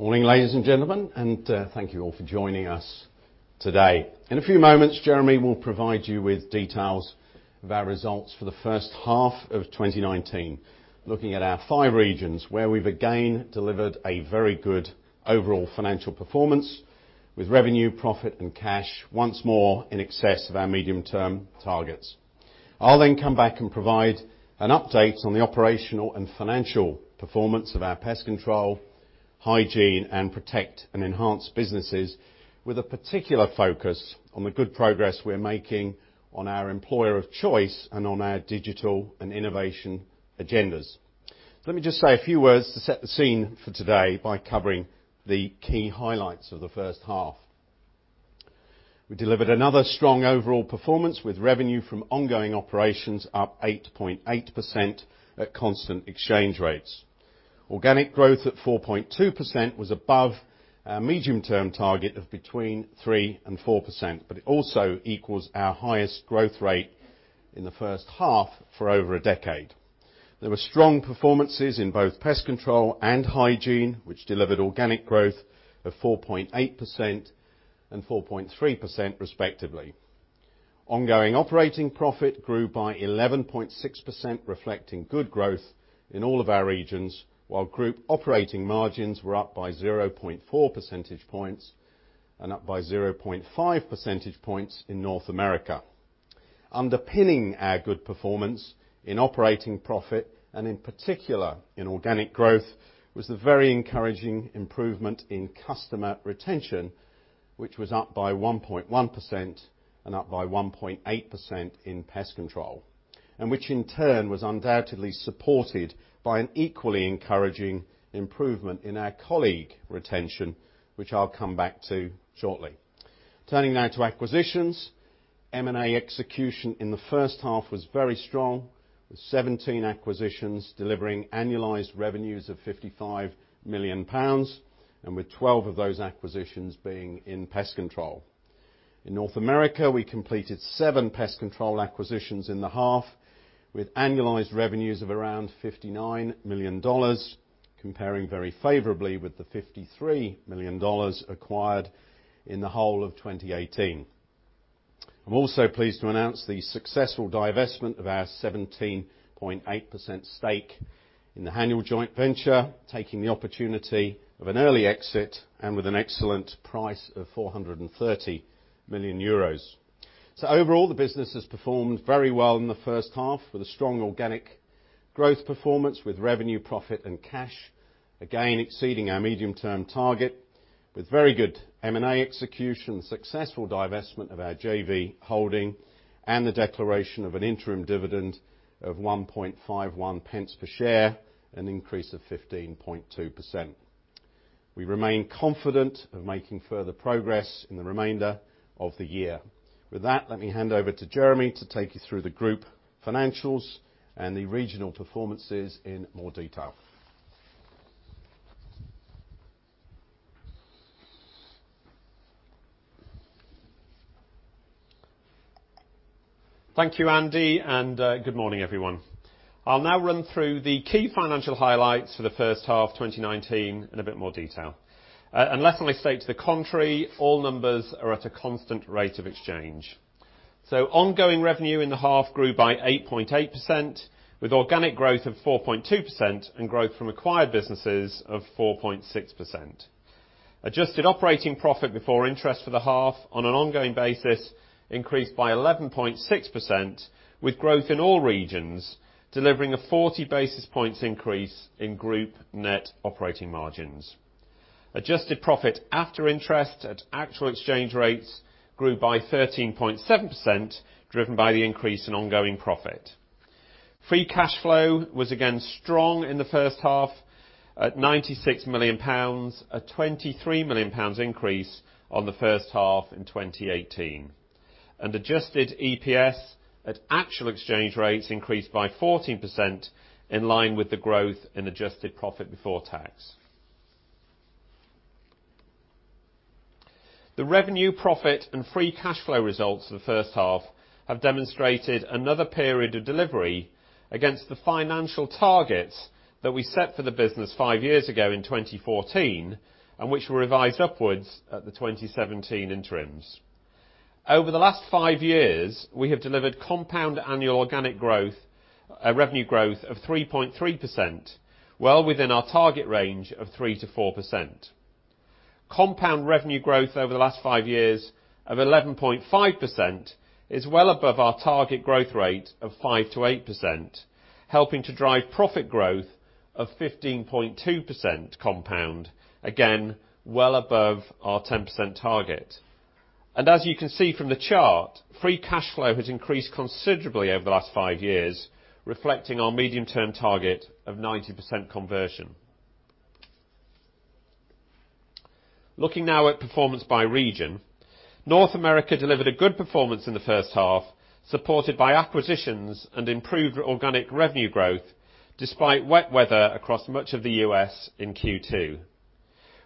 Morning, ladies and gentlemen, thank you all for joining us today. In a few moments, Jeremy will provide you with details of our results for the first half of 2019, looking at our five regions where we've again delivered a very good overall financial performance, with revenue, profit, and cash once more in excess of our medium-term targets. I'll come back and provide an update on the operational and financial performance of our Pest Control, Hygiene, and Protect and Enhance businesses, with a particular focus on the good progress we're making on our Employer of Choice and on our digital and innovation agendas. Let me just say a few words to set the scene for today by covering the key highlights of the first half. We delivered another strong overall performance with revenue from ongoing operations up 8.8% at constant exchange rates. Organic growth at 4.2% was above our medium-term target of between 3% and 4%, but it also equals our highest growth rate in the first half for over a decade. There were strong performances in both Pest Control and Hygiene, which delivered organic growth of 4.8% and 4.3% respectively. Ongoing operating profit grew by 11.6%, reflecting good growth in all of our regions, while group operating margins were up by 0.4 percentage points and up by 0.5 percentage points in North America. Underpinning our good performance in operating profit, and in particular in organic growth, was the very encouraging improvement in customer retention, which was up by 1.1% and up by 1.8% in Pest Control. Which in turn was undoubtedly supported by an equally encouraging improvement in our colleague retention, which I'll come back to shortly. Turning now to acquisitions, M&A execution in the first half was very strong, with 17 acquisitions delivering annualized revenues of 55 million pounds, and with 12 of those acquisitions being in Pest Control. In North America, we completed seven Pest Control acquisitions in the half, with annualized revenues of around $59 million, comparing very favorably with the $53 million acquired in the whole of 2018. I'm also pleased to announce the successful divestment of our 17.8% stake in the Haniel joint venture, taking the opportunity of an early exit and with an excellent price of 430 million euros. Overall, the business has performed very well in the first half, with a strong organic growth performance, with revenue, profit, and cash again exceeding our medium-term target, with very good M&A execution, successful divestment of our JV holding, and the declaration of an interim dividend of 0.0151 per share, an increase of 15.2%. We remain confident of making further progress in the remainder of the year. With that, let me hand over to Jeremy to take you through the group financials and the regional performances in more detail. Thank you, Andy. Good morning, everyone. I'll now run through the key financial highlights for the first half 2019 in a bit more detail. Unless I state to the contrary, all numbers are at a constant rate of exchange. Ongoing revenue in the half grew by 8.8%, with organic growth of 4.2% and growth from acquired businesses of 4.6%. Adjusted operating profit before interest for the half on an ongoing basis increased by 11.6%, with growth in all regions delivering a 40 basis points increase in group net operating margins. Adjusted profit after interest at actual exchange rates grew by 13.7%, driven by the increase in ongoing profit. Free cash flow was again strong in the first half at 96 million pounds, a 23 million pounds increase on the first half in 2018. Adjusted EPS at actual exchange rates increased by 14%, in line with the growth in adjusted profit before tax. The revenue, profit, and free cash flow results for the first half have demonstrated another period of delivery against the financial targets that we set for the business five years ago in 2014 and which were revised upwards at the 2017 interims. Over the last five years, we have delivered compound annual organic revenue growth of 3.3%, well within our target range of 3%-4%. Compound revenue growth over the last five years of 11.5% is well above our target growth rate of 5%-8%, helping to drive profit growth of 15.2% compound, again, well above our 10% target. As you can see from the chart, free cash flow has increased considerably over the last five years, reflecting our medium-term target of 90% conversion. Looking now at performance by region, North America delivered a good performance in the first half, supported by acquisitions and improved organic revenue growth, despite wet weather across much of the U.S. in Q2.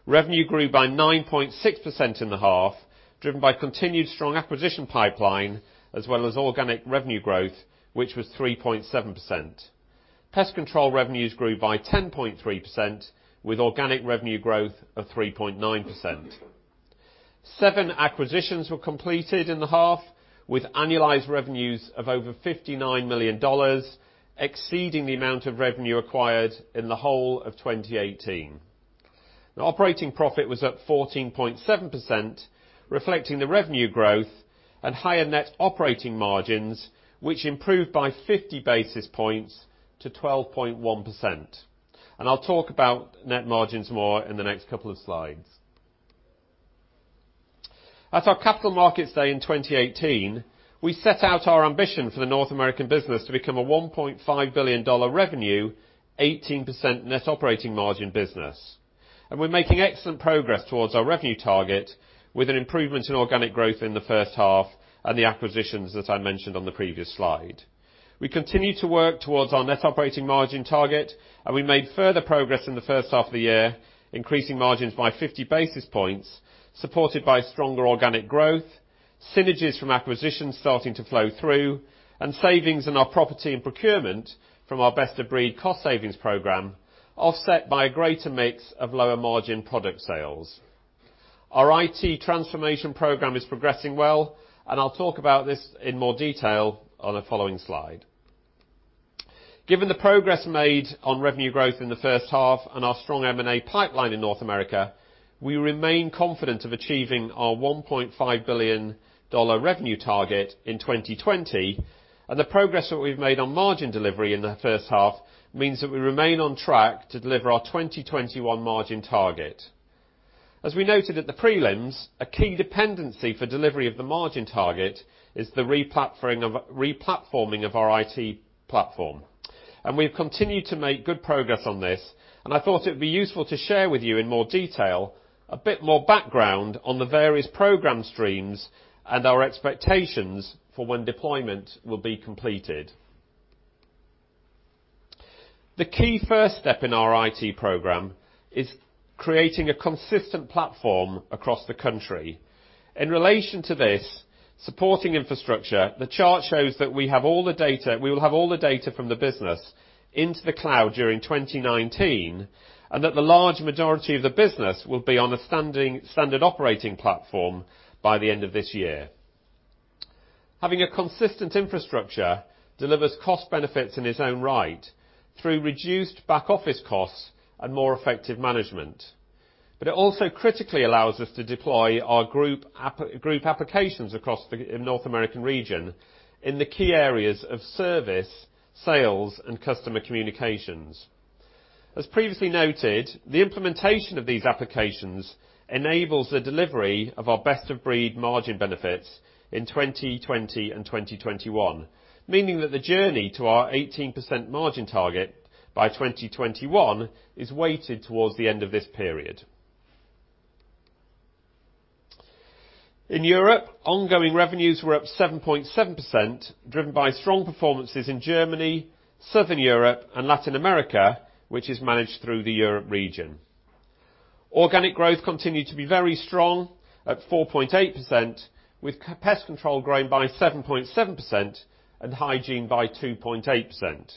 Revenue grew by 9.6% in the half, driven by continued strong acquisition pipeline as well as organic revenue growth, which was 3.7%. Pest Control revenues grew by 10.3% with organic revenue growth of 3.9%. Seven acquisitions were completed in the half with annualized revenues of over $59 million, exceeding the amount of revenue acquired in the whole of 2018. The operating profit was up 14.7%, reflecting the revenue growth and higher net operating margins, which improved by 50 basis points to 12.1%. I'll talk about net margins more in the next couple of slides. At our capital markets day in 2018, we set out our ambition for the North American business to become a GBP 1.5 billion revenue, 18% net operating margin business. We're making excellent progress towards our revenue target with an improvement in organic growth in the first half and the acquisitions that I mentioned on the previous slide. We continue to work towards our net operating margin target, and we made further progress in the first half of the year, increasing margins by 50 basis points, supported by stronger organic growth, synergies from acquisitions starting to flow through, and savings in our property and procurement from our best of breed cost savings program, offset by a greater mix of lower margin product sales. Our IT transformation program is progressing well, and I'll talk about this in more detail on a following slide. Given the progress made on revenue growth in the first half and our strong M&A pipeline in North America, we remain confident of achieving our GBP 1.5 billion revenue target in 2020, and the progress that we've made on margin delivery in the first half means that we remain on track to deliver our 2021 margin target. As we noted at the prelims, a key dependency for delivery of the margin target is the replatforming of our IT platform. We've continued to make good progress on this, and I thought it would be useful to share with you in more detail a bit more background on the various program streams and our expectations for when deployment will be completed. The key first step in our IT program is creating a consistent platform across the country. In relation to this supporting infrastructure, the chart shows that we will have all the data from the business into the cloud during 2019, and that the large majority of the business will be on a standard operating platform by the end of this year. Having a consistent infrastructure delivers cost benefits in its own right through reduced back-office costs and more effective management. It also critically allows us to deploy our group applications across the North American region in the key areas of service, sales, and customer communications. As previously noted, the implementation of these applications enables the delivery of our best of breed margin benefits in 2020 and 2021, meaning that the journey to our 18% margin target by 2021 is weighted towards the end of this period. In Europe, ongoing revenues were up 7.7%, driven by strong performances in Germany, Southern Europe and Latin America, which is managed through the Europe region. Organic growth continued to be very strong at 4.8%, with Pest Control growing by 7.7% and Hygiene by 2.8%.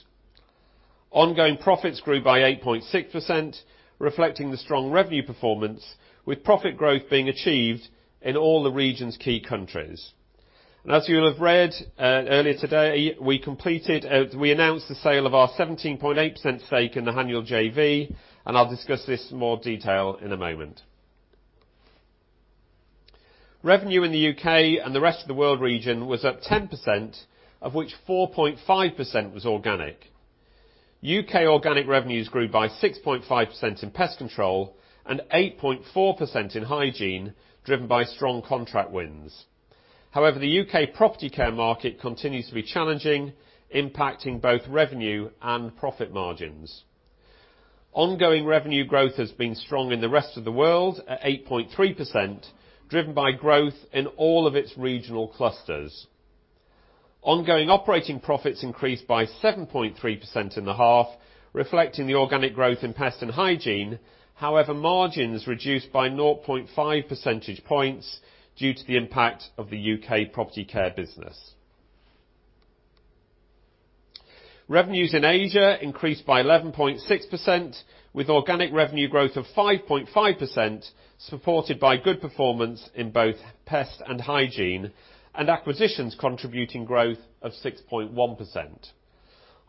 Ongoing profits grew by 8.6%, reflecting the strong revenue performance, with profit growth being achieved in all the region's key countries. As you will have read earlier today, we announced the sale of our 17.8% stake in the Haniel JV. I'll discuss this in more detail in a moment. Revenue in the U.K. and the rest of the world region was up 10%, of which 4.5% was organic. U.K. organic revenues grew by 6.5% in Pest Control and 8.4% in Hygiene, driven by strong contract wins. The U.K. property care market continues to be challenging, impacting both revenue and profit margins. Ongoing revenue growth has been strong in the rest of the world at 8.3%, driven by growth in all of its regional clusters. Ongoing operating profits increased by 7.3% in the half, reflecting the organic growth in Pest Control and Hygiene. However, margins reduced by 0.5 percentage points due to the impact of the U.K. Property Care business. Revenues in Asia increased by 11.6%, with organic revenue growth of 5.5%, supported by good performance in both Pest Control and Hygiene, and acquisitions contributing growth of 6.1%.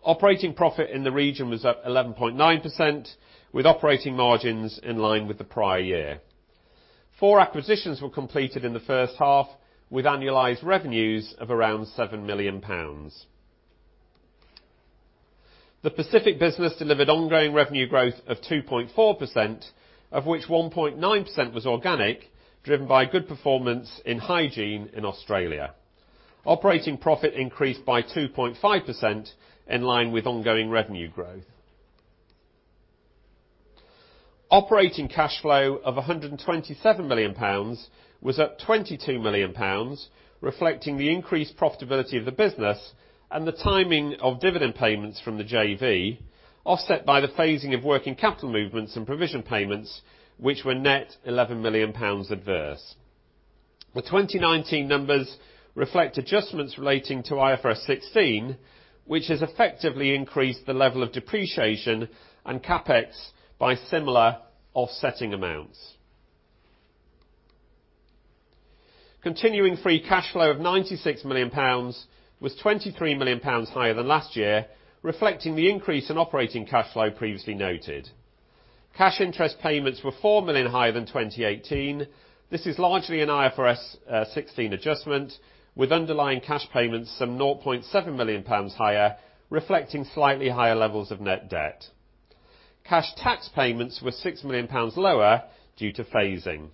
Operating profit in the region was up 11.9%, with operating margins in line with the prior year. Four acquisitions were completed in the first half, with annualized revenues of around 7 million pounds. The Pacific business delivered ongoing revenue growth of 2.4%, of which 1.9% was organic, driven by good performance in Hygiene in Australia. Operating profit increased by 2.5% in line with ongoing revenue growth. Operating cash flow of 127 million pounds was up 22 million pounds, reflecting the increased profitability of the business and the timing of dividend payments from the JV, offset by the phasing of working capital movements and provision payments, which were net 11 million pounds adverse. The 2019 numbers reflect adjustments relating to IFRS 16, which has effectively increased the level of depreciation and CapEx by similar offsetting amounts. Continuing free cash flow of 96 million pounds was 23 million pounds higher than last year, reflecting the increase in operating cash flow previously noted. Cash interest payments were 4 million higher than 2018. This is largely an IFRS 16 adjustment, with underlying cash payments some 0.7 million pounds higher, reflecting slightly higher levels of net debt. Cash tax payments were 6 million pounds lower due to phasing.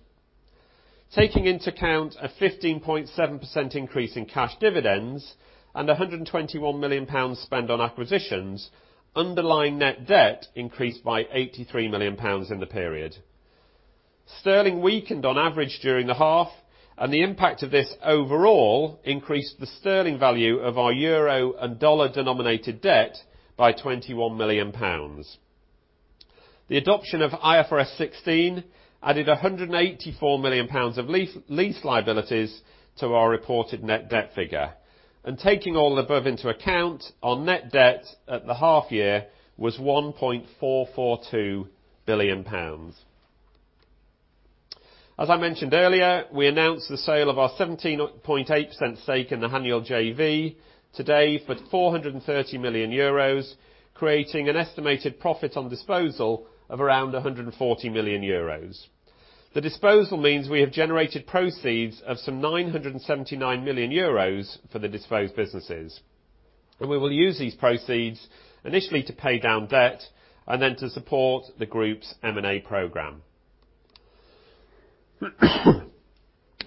Taking into account a 15.7% increase in cash dividends and GBP 121 million spent on acquisitions, underlying net debt increased by GBP 83 million in the period. Sterling weakened on average during the half. The impact of this overall increased the Sterling value of our EUR and USD-denominated debt by 21 million pounds. The adoption of IFRS 16 added 184 million pounds of lease liabilities to our reported net debt figure. Taking all the above into account, our net debt at the half year was 1.442 billion pounds. As I mentioned earlier, we announced the sale of our 17.8% stake in the Haniel JV today for 430 million euros, creating an estimated profit on disposal of around 140 million euros. The disposal means we have generated proceeds of some 979 million euros for the disposed businesses. We will use these proceeds initially to pay down debt and then to support the group's M&A program.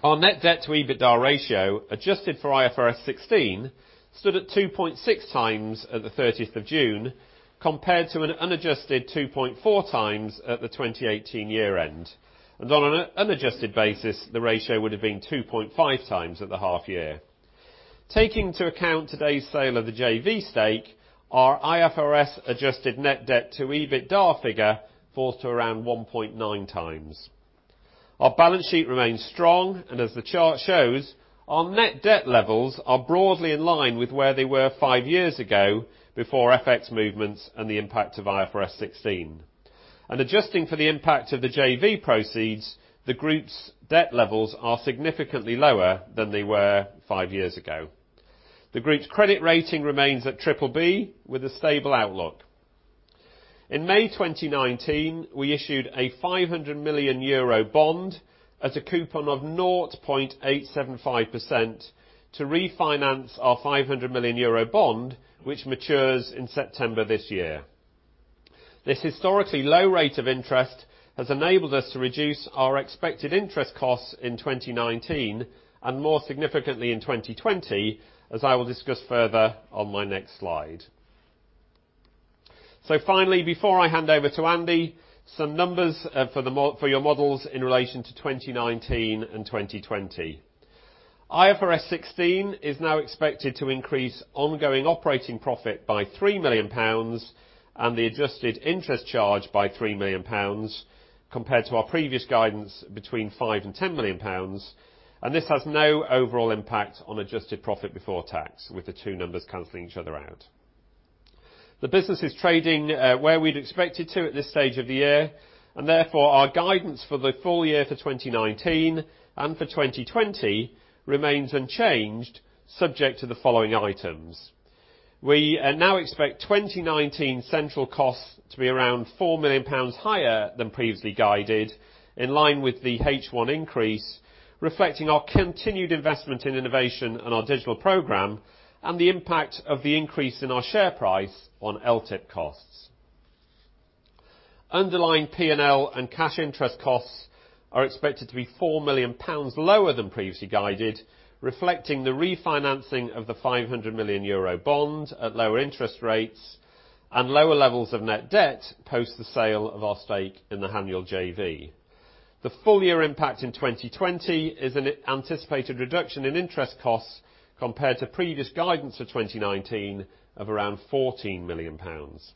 Our net debt to EBITDA ratio, adjusted for IFRS 16, stood at 2.6 times at the 30th of June, compared to an unadjusted 2.4 times at the 2018 year-end. On an unadjusted basis, the ratio would have been 2.5 times at the half year. Taking into account today's sale of the JV stake, our IFRS-adjusted net debt to EBITDA figure falls to around 1.9 times. Our balance sheet remains strong, and as the chart shows, our net debt levels are broadly in line with where they were five years ago, before FX movements and the impact of IFRS 16. Adjusting for the impact of the JV proceeds, the group's debt levels are significantly lower than they were five years ago. The group's credit rating remains at BBB, with a stable outlook. In May 2019, we issued a 500 million euro bond at a coupon of 0.875% to refinance our 500 million euro bond, which matures in September this year. This historically low rate of interest has enabled us to reduce our expected interest costs in 2019, and more significantly in 2020, as I will discuss further on my next slide. Finally, before I hand over to Andy, some numbers for your models in relation to 2019 and 2020. IFRS 16 is now expected to increase ongoing operating profit by 3 million pounds and the adjusted interest charge by 3 million pounds, compared to our previous guidance between 5 million and 10 million pounds, and this has no overall impact on adjusted profit before tax, with the two numbers canceling each other out. The business is trading where we'd expect it to at this stage of the year, and therefore our guidance for the full year for 2019 and for 2020 remains unchanged, subject to the following items. We now expect 2019 central costs to be around 4 million pounds higher than previously guided, in line with the H1 increase, reflecting our continued investment in innovation and our digital program and the impact of the increase in our share price on LTIP costs. Underlying P&L and cash interest costs are expected to be 4 million pounds lower than previously guided, reflecting the refinancing of the 500 million euro bond at lower interest rates and lower levels of net debt post the sale of our stake in the Haniel JV. The full-year impact in 2020 is an anticipated reduction in interest costs, compared to previous guidance for 2019 of around 14 million pounds.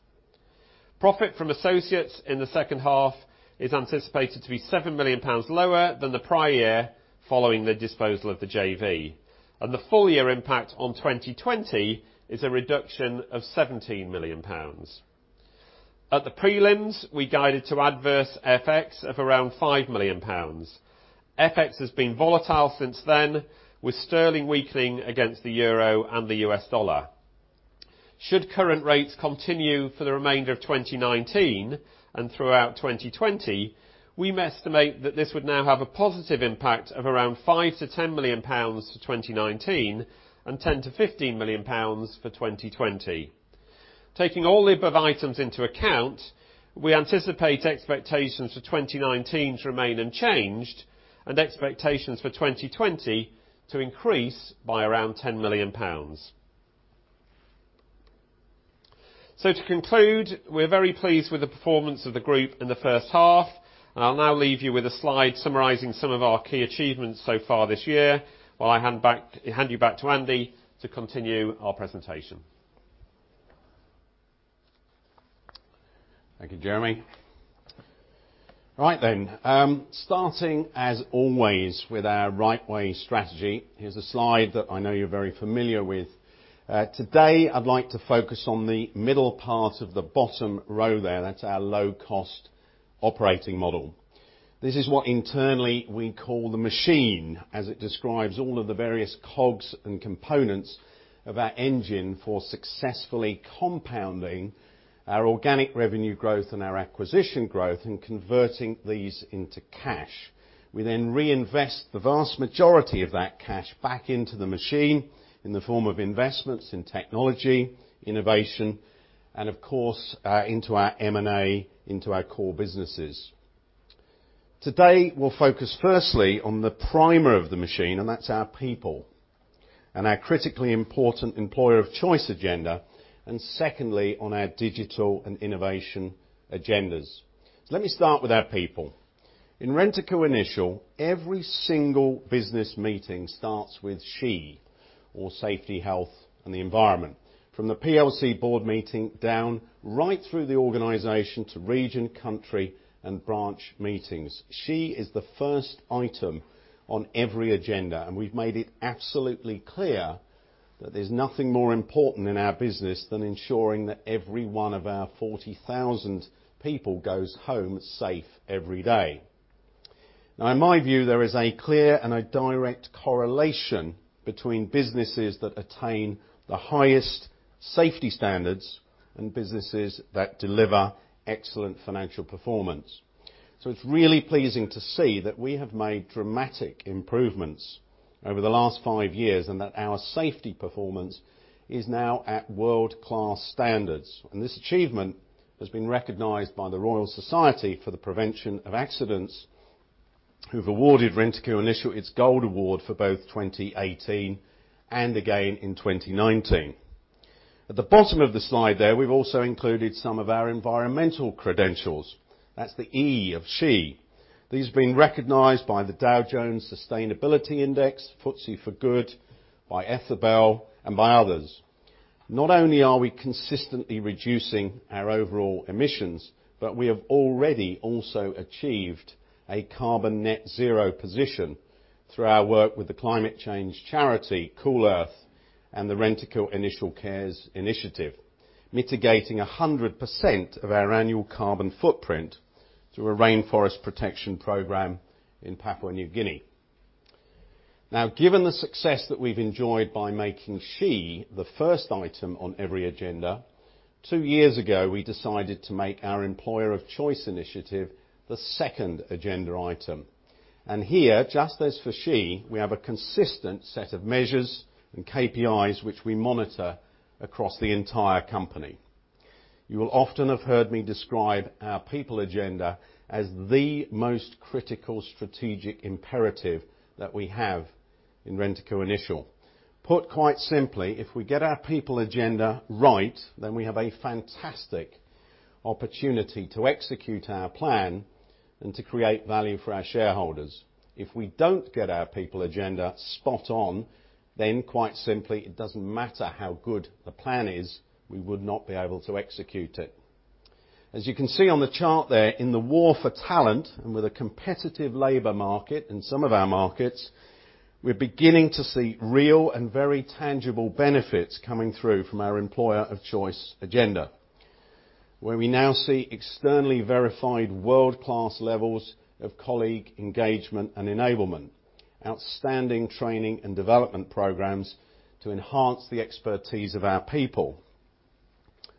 Profit from associates in the second half is anticipated to be 7 million pounds lower than the prior year following the disposal of the JV, and the full-year impact on 2020 is a reduction of GBP 17 million. At the prelims, we guided to adverse FX of around 5 million pounds. FX has been volatile since then, with sterling weakening against the euro and the US dollar. Should current rates continue for the remainder of 2019 and throughout 2020, we estimate that this would now have a positive impact of around 5 million-10 million pounds for 2019 and 10 million-15 million pounds for 2020. Taking all the above items into account, we anticipate expectations for 2019 to remain unchanged and expectations for 2020 to increase by around 10 million pounds. To conclude, we're very pleased with the performance of the group in the first half, and I'll now leave you with a slide summarizing some of our key achievements so far this year, while I hand you back to Andy to continue our presentation. Thank you, Jeremy. Right then. Starting as always with our Right Way strategy. Here's a slide that I know you're very familiar with. Today, I'd like to focus on the middle part of the bottom row there. That's our low-cost operating model. This is what internally we call the machine, as it describes all of the various cogs and components of our engine for successfully compounding our organic revenue growth and our acquisition growth, and converting these into cash. We reinvest the vast majority of that cash back into the machine in the form of investments in technology, innovation, and of course, into our M&A into our core businesses. Today, we'll focus firstly on the primer of the machine, and that's our people, and our critically important employer of choice agenda, and secondly, on our digital and innovation agendas. Let me start with our people. In Rentokil Initial, every single business meeting starts with SHE, or safety, health, and the environment. From the PLC board meeting down, right through the organization, to region, country, and branch meetings. SHE is the first item on every agenda. We've made it absolutely clear that there's nothing more important in our business than ensuring that every one of our 40,000 people goes home safe every day. In my view, there is a clear and a direct correlation between businesses that attain the highest safety standards and businesses that deliver excellent financial performance. It's really pleasing to see that we have made dramatic improvements over the last five years, and that our safety performance is now at world-class standards. This achievement has been recognized by the Royal Society for the Prevention of Accidents, who've awarded Rentokil Initial its Gold Award for both 2018 and again in 2019. At the bottom of the slide there, we've also included some of our environmental credentials. That's the E of SHE. These have been recognized by the Dow Jones Sustainability Index, FTSE4Good, by Ethibel, and by others. Not only are we consistently reducing our overall emissions, but we have already also achieved a carbon net zero position through our work with the climate change charity Cool Earth and the Rentokil Initial Cares initiative, mitigating 100% of our annual carbon footprint through a rainforest protection program in Papua New Guinea. Given the success that we've enjoyed by making SHE the first item on every agenda, two years ago, we decided to make our Employer of Choice Initiative the second agenda item. Here, just as for SHE, we have a consistent set of measures and KPIs which we monitor across the entire company. You will often have heard me describe our people agenda as the most critical strategic imperative that we have in Rentokil Initial. Put quite simply, if we get our people agenda right, then we have a fantastic opportunity to execute our plan and to create value for our shareholders. If we don't get our people agenda spot on, then quite simply, it doesn't matter how good the plan is, we would not be able to execute it. As you can see on the chart there, in the war for talent, and with a competitive labor market in some of our markets, we're beginning to see real and very tangible benefits coming through from our employer of choice agenda, where we now see externally verified world-class levels of colleague engagement and enablement, outstanding training and development programs to enhance the expertise of our people.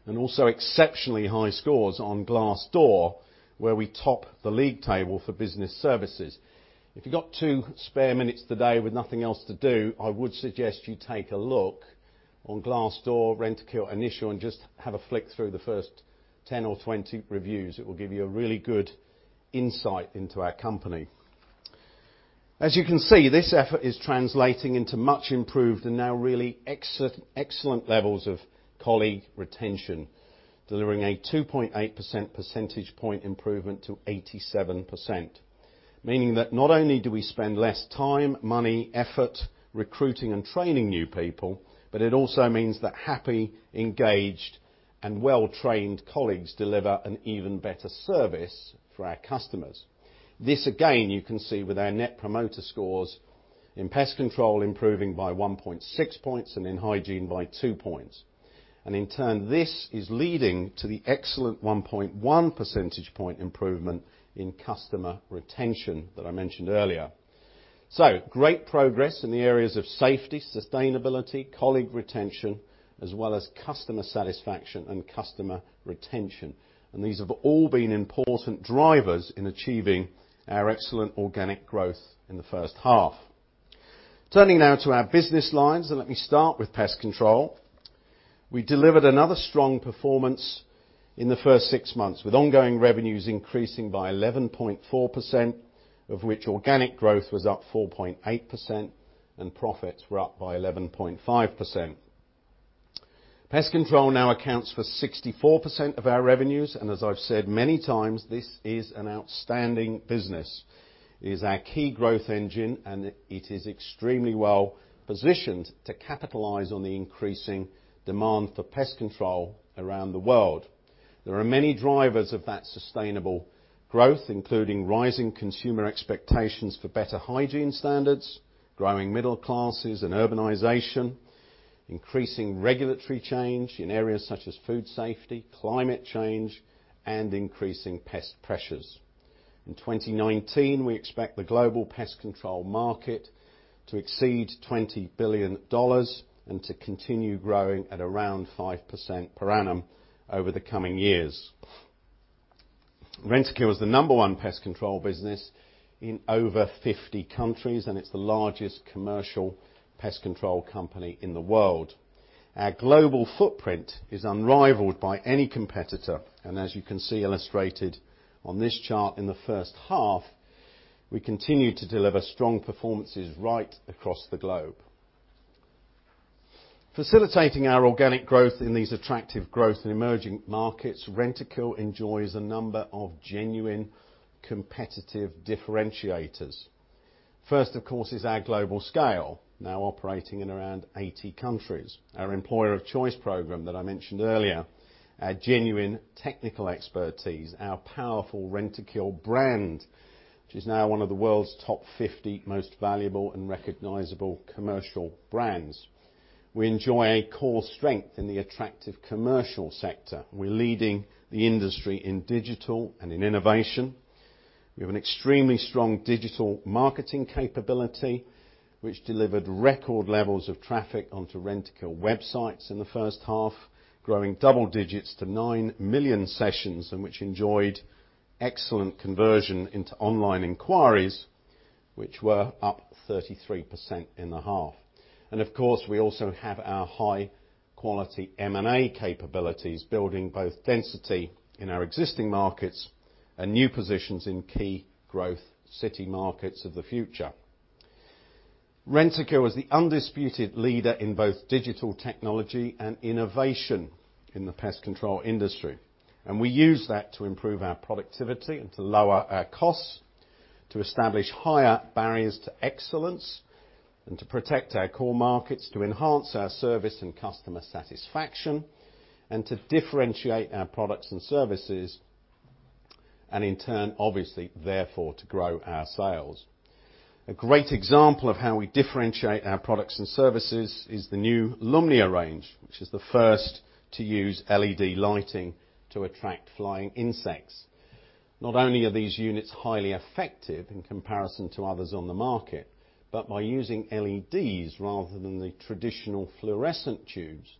Also exceptionally high scores on Glassdoor, where we top the league table for business services. If you've got two spare minutes today with nothing else to do, I would suggest you take a look on Glassdoor, Rentokil Initial, and just have a flick through the first 10 or 20 reviews. It will give you a really good insight into our company. As you can see, this effort is translating into much improved and now really excellent levels of colleague retention, delivering a 2.8% percentage point improvement to 87%. Meaning that not only do we spend less time, money, effort recruiting and training new people, but it also means that happy, engaged, and well-trained colleagues deliver an even better service for our customers. This, again, you can see with our net promoter scores in Pest Control improving by 1.6 points and in Hygiene by two points. In turn, this is leading to the excellent 1.1 percentage point improvement in customer retention that I mentioned earlier. Great progress in the areas of safety, sustainability, colleague retention, as well as customer satisfaction and customer retention. These have all been important drivers in achieving our excellent organic growth in the first half. Turning now to our business lines, let me start with pest control. We delivered another strong performance in the first six months, with ongoing revenues increasing by 11.4%, of which organic growth was up 4.8% and profits were up by 11.5%. Pest control now accounts for 64% of our revenues, as I've said many times, this is an outstanding business. It is our key growth engine, it is extremely well-positioned to capitalize on the increasing demand for pest control around the world. There are many drivers of that sustainable growth, including rising consumer expectations for better hygiene standards, growing middle classes and urbanization, increasing regulatory change in areas such as food safety, climate change, and increasing pest pressures. In 2019, we expect the global pest control market to exceed $20 billion, to continue growing at around 5% per annum over the coming years. Rentokil is the number one Pest Control business in over 50 countries. It's the largest commercial Pest Control company in the world. Our global footprint is unrivaled by any competitor. As you can see illustrated on this chart, in the first half, we continued to deliver strong performances right across the globe. Facilitating our organic growth in these attractive growth and emerging markets, Rentokil enjoys a number of genuine competitive differentiators. First, of course, is our global scale, now operating in around 80 countries. Our employer of choice program that I mentioned earlier, our genuine technical expertise, our powerful Rentokil brand, which is now one of the world's top 50 most valuable and recognizable commercial brands. We enjoy a core strength in the attractive commercial sector. We're leading the industry in digital and in innovation. We have an extremely strong digital marketing capability, which delivered record levels of traffic onto Rentokil websites in the first half, growing double digits to nine million sessions, which enjoyed excellent conversion into online inquiries, which were up 33% in the half. Of course, we also have our high-quality M&A capabilities, building both density in our existing markets and new positions in key growth city markets of the future. Rentokil is the undisputed leader in both digital technology and innovation in the pest control industry, we use that to improve our productivity and to lower our costs, to establish higher barriers to excellence, to protect our core markets, to enhance our service and customer satisfaction, to differentiate our products and services, in turn, obviously, therefore, to grow our sales. A great example of how we differentiate our products and services is the new Lumnia range, which is the first to use LED lighting to attract flying insects. Not only are these units highly effective in comparison to others on the market, but by using LEDs rather than the traditional fluorescent tubes,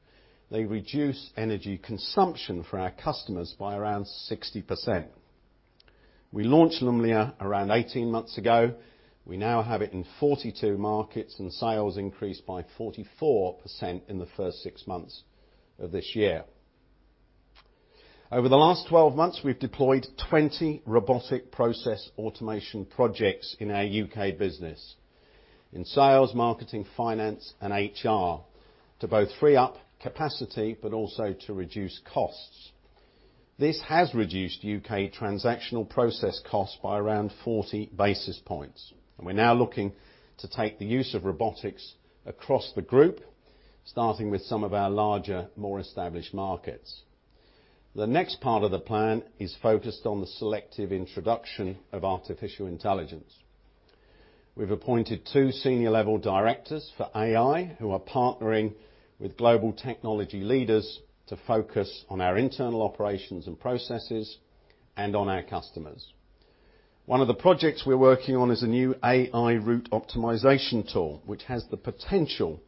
they reduce energy consumption for our customers by around 60%. We launched Lumnia around 18 months ago. We now have it in 42 markets, and sales increased by 44% in the first six months of this year. Over the last 12 months, we've deployed 20 robotic process automation projects in our U.K. business in sales, marketing, finance, and HR, to both free up capacity, but also to reduce costs. This has reduced U.K. transactional process costs by around 40 basis points. We're now looking to take the use of robotics across the group, starting with some of our larger, more established markets. The next part of the plan is focused on the selective introduction of artificial intelligence. We've appointed two senior-level directors for AI, who are partnering with global technology leaders to focus on our internal operations and processes and on our customers. One of the projects we're working on is a new AI route optimization tool, which has the potential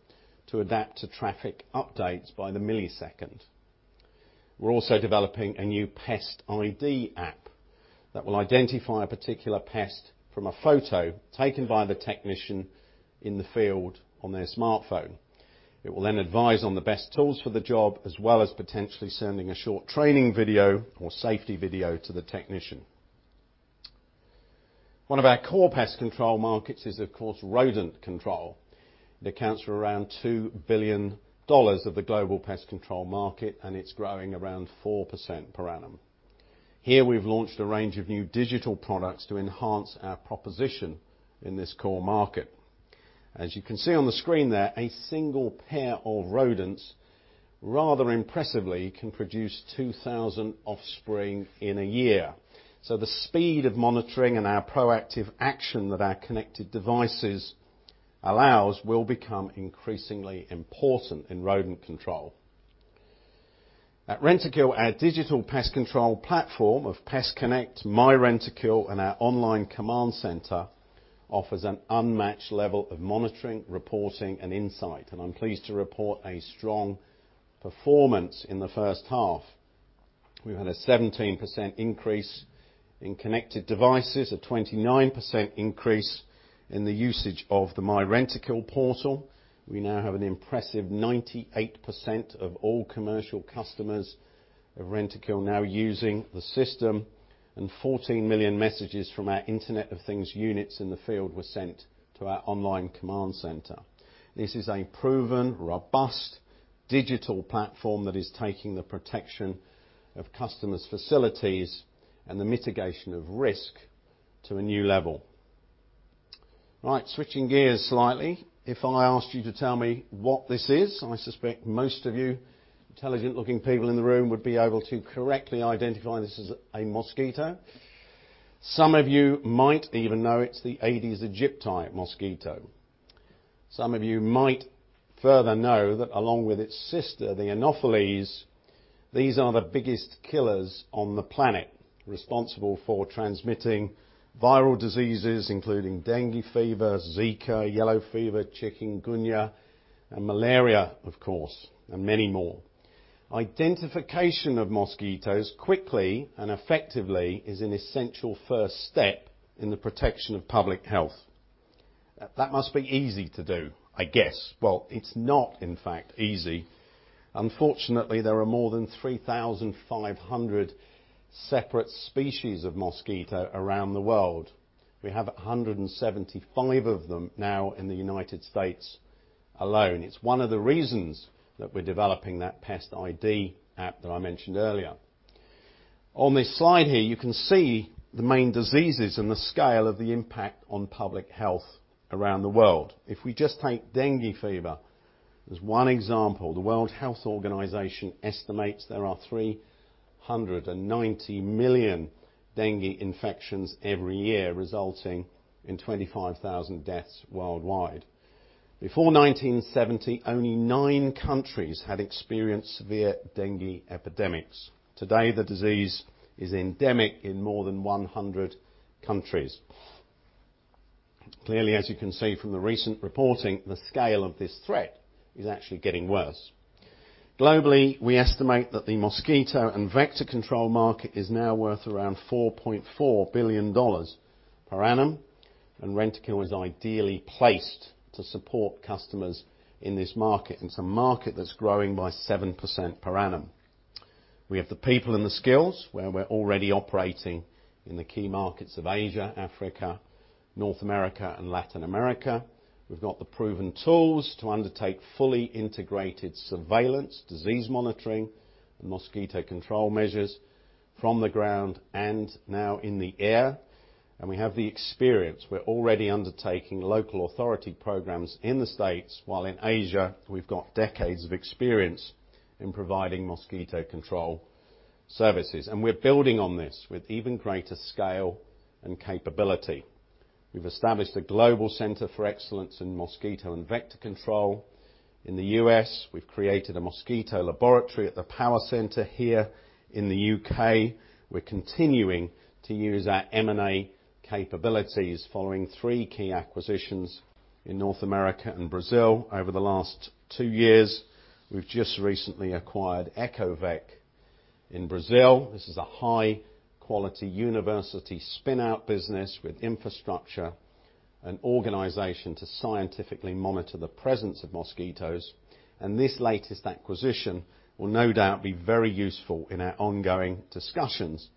to adapt to traffic updates by the millisecond. We're also developing a new Pest ID app that will identify a particular pest from a photo taken by the technician in the field on their smartphone. It will advise on the best tools for the job, as well as potentially sending a short training video or safety video to the technician. One of our core Pest Control markets is, of course, rodent control. It accounts for around $2 billion of the global Pest Control market, and it's growing around 4% per annum. Here, we've launched a range of new digital products to enhance our proposition in this core market. As you can see on the screen there, a single pair of rodents, rather impressively, can produce 2,000 offspring in a year. The speed of monitoring and our proactive action that our connected devices allows will become increasingly important in rodent control. At Rentokil, our digital pest control platform of PestConnect, myRentokil, and our online command center offers an unmatched level of monitoring, reporting, and insight, and I'm pleased to report a strong performance in the first half. We've had a 17% increase in connected devices, a 29% increase in the usage of the MyRentokil portal. We now have an impressive 98% of all commercial customers of Rentokil now using the system. 14 million messages from our Internet of Things units in the field were sent to our online command center. This is a proven, robust digital platform that is taking the protection of customers' facilities and the mitigation of risk to a new level. Right, switching gears slightly. If I asked you to tell me what this is, I suspect most of you intelligent-looking people in the room would be able to correctly identify this as a mosquito. Some of you might even know it's the Aedes aegypti mosquito. Some of you might further know that along with its sister, the Anopheles, these are the biggest killers on the planet, responsible for transmitting viral diseases including dengue fever, Zika, yellow fever, chikungunya, and malaria, of course, and many more. Identification of mosquitoes quickly and effectively is an essential first step in the protection of public health. That must be easy to do, I guess. Well, it's not, in fact, easy. Unfortunately, there are more than 3,500 separate species of mosquito around the world. We have 175 of them now in the U.S. alone. It's one of the reasons that we're developing that Pest ID app that I mentioned earlier. On this slide here, you can see the main diseases and the scale of the impact on public health around the world. If we just take dengue fever as one example, the World Health Organization estimates there are 390 million dengue infections every year, resulting in 25,000 deaths worldwide. Before 1970, only nine countries had experienced severe dengue epidemics. Today, the disease is endemic in more than 100 countries. Clearly, as you can see from the recent reporting, the scale of this threat is actually getting worse. Globally, we estimate that the mosquito and vector control market is now worth around GBP 4.4 billion per annum, and Rentokil is ideally placed to support customers in this market. It's a market that's growing by 7% per annum. We have the people and the skills, where we're already operating in the key markets of Asia, Africa, North America, and Latin America. We've got the proven tools to undertake fully integrated surveillance, disease monitoring, and mosquito control measures from the ground and now in the air. We have the experience. We're already undertaking local authority programs in the U.S., while in Asia, we've got decades of experience in providing mosquito control services. We're building on this with even greater scale and capability. We've established a global center for excellence in mosquito and Vector Control. In the U.S., we've created a mosquito laboratory at the Power Center here. In the U.K., we're continuing to use our M&A capabilities following three key acquisitions in North America and Brazil over the last two years. We've just recently acquired Ecovec in Brazil. This is a high-quality university spin-out business with infrastructure and organization to scientifically monitor the presence of mosquitoes. This latest acquisition will no doubt be very useful in our ongoing discussions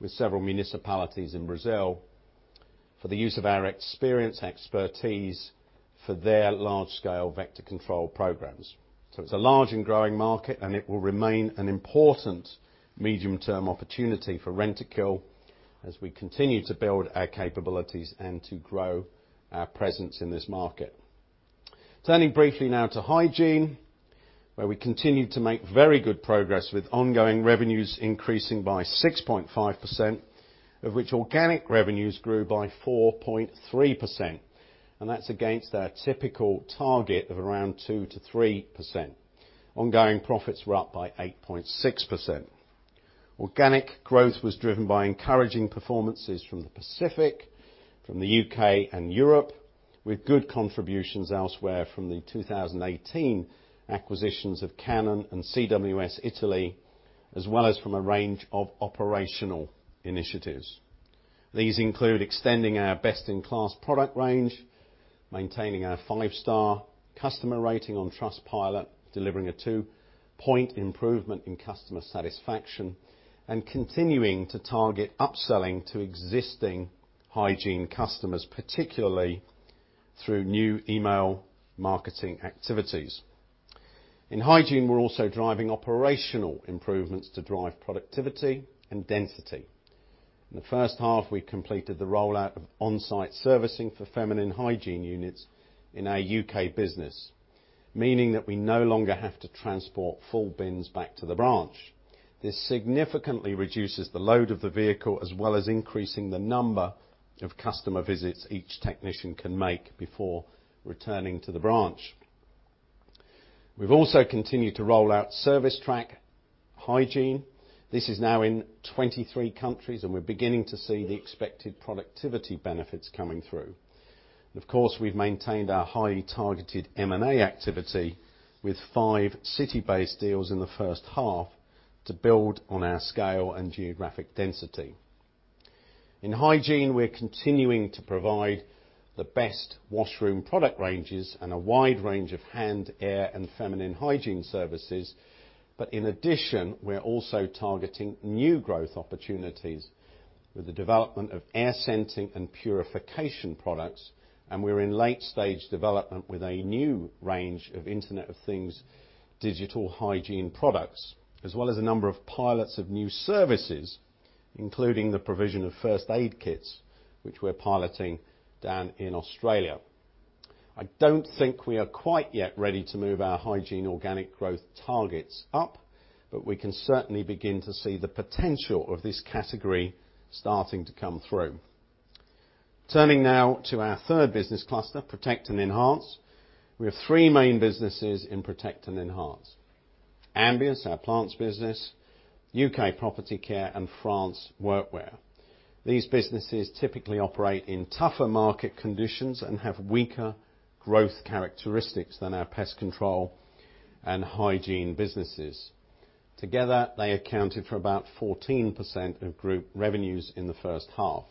with several municipalities in Brazil for the use of our experience expertise for their large-scale Vector Control programs. It's a large and growing market, and it will remain an important medium-term opportunity for Rentokil as we continue to build our capabilities and to grow our presence in this market. Turning briefly now to Hygiene, where we continued to make very good progress with ongoing revenues increasing by 6.5%, of which organic revenues grew by 4.3%. That's against our typical target of around 2%-3%. Ongoing profits were up by 8.6%. Organic growth was driven by encouraging performances from the Pacific, from the U.K. and Europe, with good contributions elsewhere from the 2018 acquisitions of Cannon and CWS Italy, as well as from a range of operational initiatives. These include extending our best-in-class product range, maintaining our five-star customer rating on Trustpilot, delivering a two-point improvement in customer satisfaction, and continuing to target upselling to existing hygiene customers, particularly through new email marketing activities. In Hygiene, we're also driving operational improvements to drive productivity and density. In the first half, we completed the rollout of on-site servicing for feminine hygiene units in our U.K. business, meaning that we no longer have to transport full bins back to the branch. This significantly reduces the load of the vehicle as well as increasing the number of customer visits each technician can make before returning to the branch. We've also continued to roll out ServiceTrack Hygiene. This is now in 23 countries. We're beginning to see the expected productivity benefits coming through. Of course, we've maintained our highly targeted M&A activity with five city-based deals in the first half to build on our scale and geographic density. In Hygiene, we're continuing to provide the best washroom product ranges and a wide range of hand, air, and feminine hygiene services. In addition, we're also targeting new growth opportunities with the development of air scenting and purification products, and we're in late-stage development with a new range of Internet of Things digital Hygiene products, as well as a number of pilots of new services, including the provision of first aid kits, which we're piloting down in Australia. I don't think we are quite yet ready to move our Hygiene organic growth targets up. We can certainly begin to see the potential of this category starting to come through. Turning now to our third business cluster, Protect and Enhance. We have three main businesses in Protect and Enhance: Ambius, our plants business, U.K. Property Care, and France workwear. These businesses typically operate in tougher market conditions and have weaker growth characteristics than our Pest Control and Hygiene businesses. Together, they accounted for about 14% of group revenues in the first half.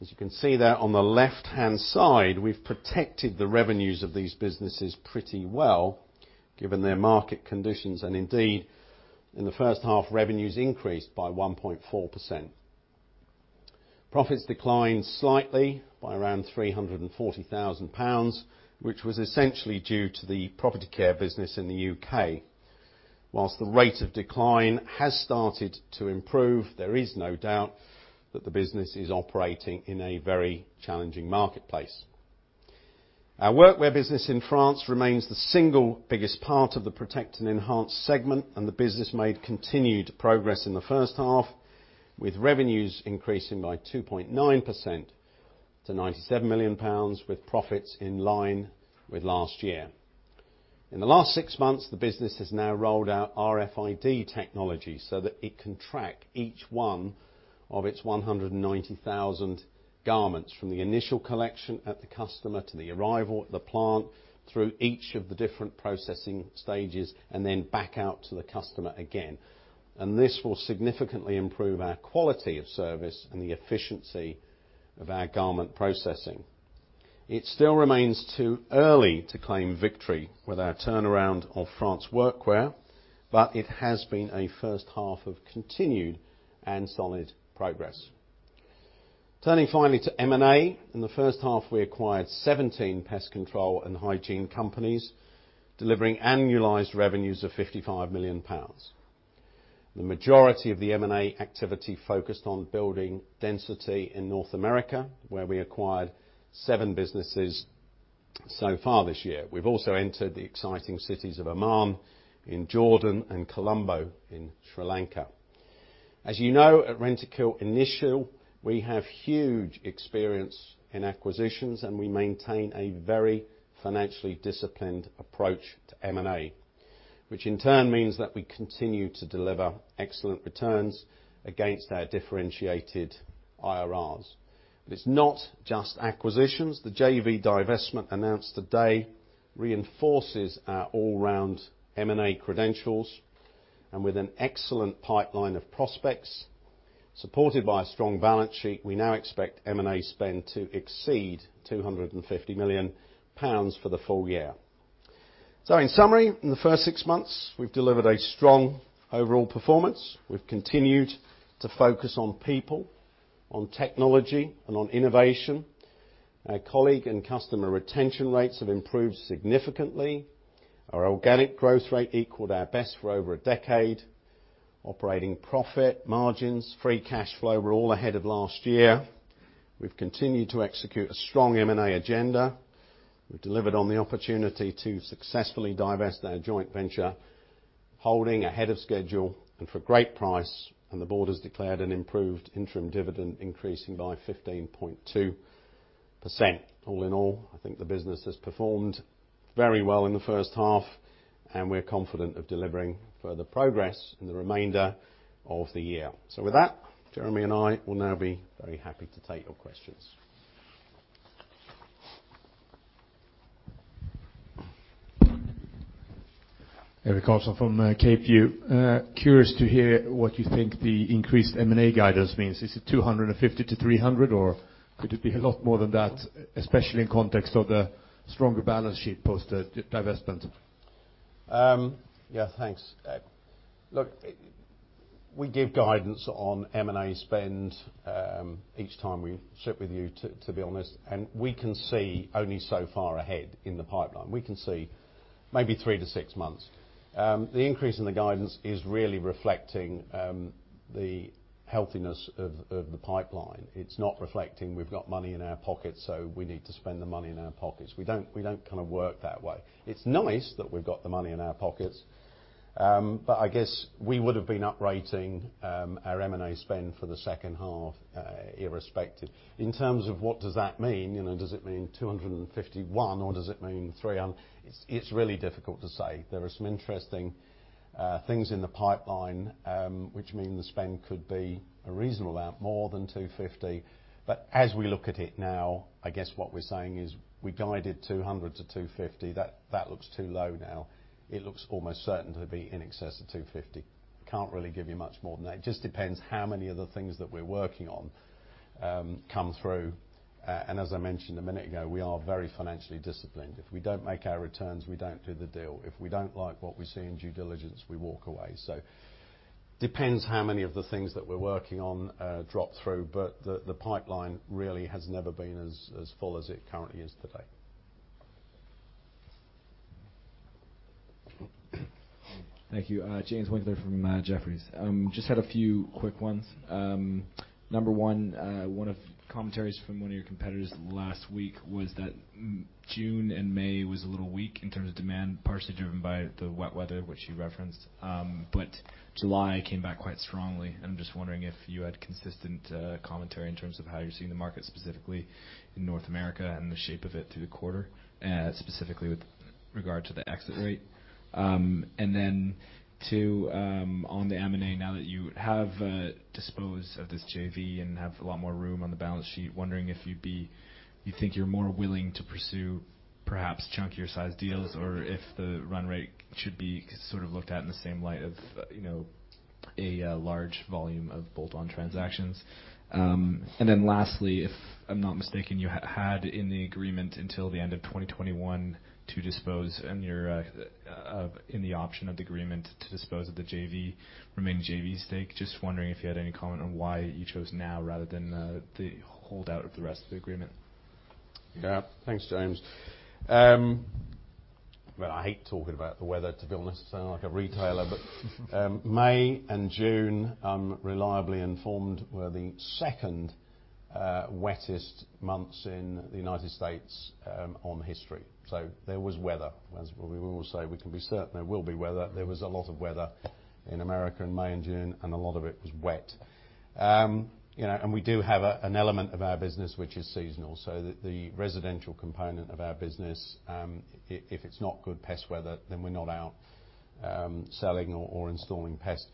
As you can see there on the left-hand side, we've protected the revenues of these businesses pretty well, given their market conditions. Indeed, in the first half, revenues increased by 1.4%. Profits declined slightly by around 340,000 pounds, which was essentially due to the Property Care business in the U.K. Whilst the rate of decline has started to improve, there is no doubt that the business is operating in a very challenging marketplace. Our Workwear business in France remains the single biggest part of the Protect and Enhance segment, and the business made continued progress in the first half, with revenues increasing by 2.9% to 97 million pounds with profits in line with last year. In the last six months, the business has now rolled out RFID technology so that it can track each one of its 190,000 garments from the initial collection at the customer to the arrival at the plant, through each of the different processing stages, and then back out to the customer again. This will significantly improve our quality of service and the efficiency of our garment processing. It still remains too early to claim victory with our turnaround of France Workwear, but it has been a first half of continued and solid progress. Turning finally to M&A. In the first half, we acquired 17 Pest Control and Hygiene companies, delivering annualized revenues of 55 million pounds. The majority of the M&A activity focused on building density in North America, where we acquired seven businesses so far this year. We've also entered the exciting cities of Amman in Jordan and Colombo in Sri Lanka. As you know, at Rentokil Initial, we have huge experience in acquisitions, and we maintain a very financially disciplined approach to M&A, which in turn means that we continue to deliver excellent returns against our differentiated IRRs. It's not just acquisitions. The JV divestment announced today reinforces our all-round M&A credentials. With an excellent pipeline of prospects, supported by a strong balance sheet, we now expect M&A spend to exceed 250 million pounds for the full year. In summary, in the first six months, we've delivered a strong overall performance. We've continued to focus on people, on technology, and on innovation. Our colleague and customer retention rates have improved significantly. Our organic growth rate equaled our best for over a decade. Operating profit margins, free cashflow, were all ahead of last year. We've continued to execute a strong M&A agenda. We've delivered on the opportunity to successfully divest our joint venture, holding ahead of schedule and for great price. The board has declared an improved interim dividend increasing by 15.2%. All in all, I think the business has performed very well in the first half, and we're confident of delivering further progress in the remainder of the year. With that, Jeremy and I will now be very happy to take your questions. Eric Olson from Kepler Cheuvreux. Curious to hear what you think the increased M&A guidance means. Is it 250-300, or could it be a lot more than that, especially in context of the stronger balance sheet post divestment? Thanks. We give guidance on M&A spend each time we sit with you, to be honest, and we can see only so far ahead in the pipeline. We can see maybe three to six months. The increase in the guidance is really reflecting the healthiness of the pipeline. It's not reflecting we've got money in our pockets, so we need to spend the money in our pockets. We don't work that way. It's nice that we've got the money in our pockets, but I guess we would have been uprating our M&A spend for the second half irrespective. In terms of what does that mean, does it mean 251 or does it mean 300? It's really difficult to say. There are some interesting things in the pipeline, which mean the spend could be a reasonable amount more than 250. As we look at it now, I guess what we're saying is we guided 200-250. That looks too low now. It looks almost certain to be in excess of 250. Can't really give you much more than that. It just depends how many of the things that we're working on come through. As I mentioned a minute ago, we are very financially disciplined. If we don't make our returns, we don't do the deal. If we don't like what we see in due diligence, we walk away. Depends how many of the things that we're working on drop through, but the pipeline really has never been as full as it currently is today. Thank you. James Winkler from Jefferies. Just had a few quick ones. Number one of commentaries from one of your competitors last week was that June and May was a little weak in terms of demand, partially driven by the wet weather, which you referenced. July came back quite strongly. I am just wondering if you had consistent commentary in terms of how you are seeing the market, specifically in North America and the shape of it through the quarter, specifically with regard to the exit rate. Two, on the M&A, now that you have disposed of this JV and have a lot more room on the balance sheet, wondering if you think you are more willing to pursue perhaps chunkier sized deals or if the run rate should be sort of looked at in the same light of a large volume of bolt-on transactions. Lastly, if I'm not mistaken, you had in the agreement until the end of 2021 to dispose and you're in the option of the agreement to dispose of the remaining JV stake. Just wondering if you had any comment on why you chose now rather than the holdout of the rest of the agreement. Yeah. Thanks, James. Well, I hate talking about the weather, to be honest. I sound like a retailer, May and June, I'm reliably informed, were the second wettest months in the U.S. in history. There was weather, as we always say, we can be certain there will be weather. There was a lot of weather in America in May and June, and a lot of it was wet. We do have an element of our business which is seasonal. The residential component of our business, if it's not good pest weather, then we're not out selling or installing pest.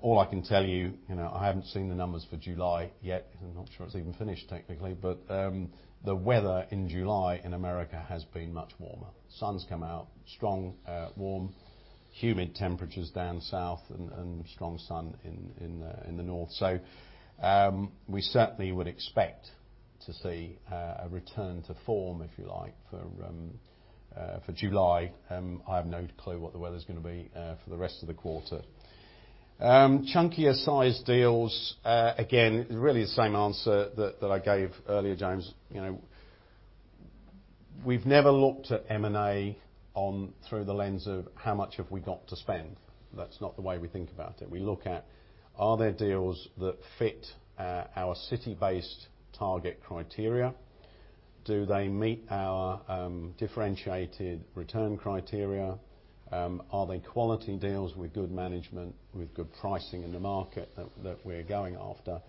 All I can tell you, I haven't seen the numbers for July yet. I'm not sure it's even finished technically, the weather in July in America has been much warmer. Sun's come out strong, warm, humid temperatures down south and strong sun in the north. We certainly would expect to see a return to form, if you like, for July. I have no clue what the weather's going to be for the rest of the quarter. Chunkier sized deals, again, really the same answer that I gave earlier, James. We've never looked at M&A through the lens of how much have we got to spend. That's not the way we think about it. We look at are there deals that fit our city-based target criteria? Do they meet our differentiated return criteria? Are they quality deals with good management, with good pricing in the market that we're going after?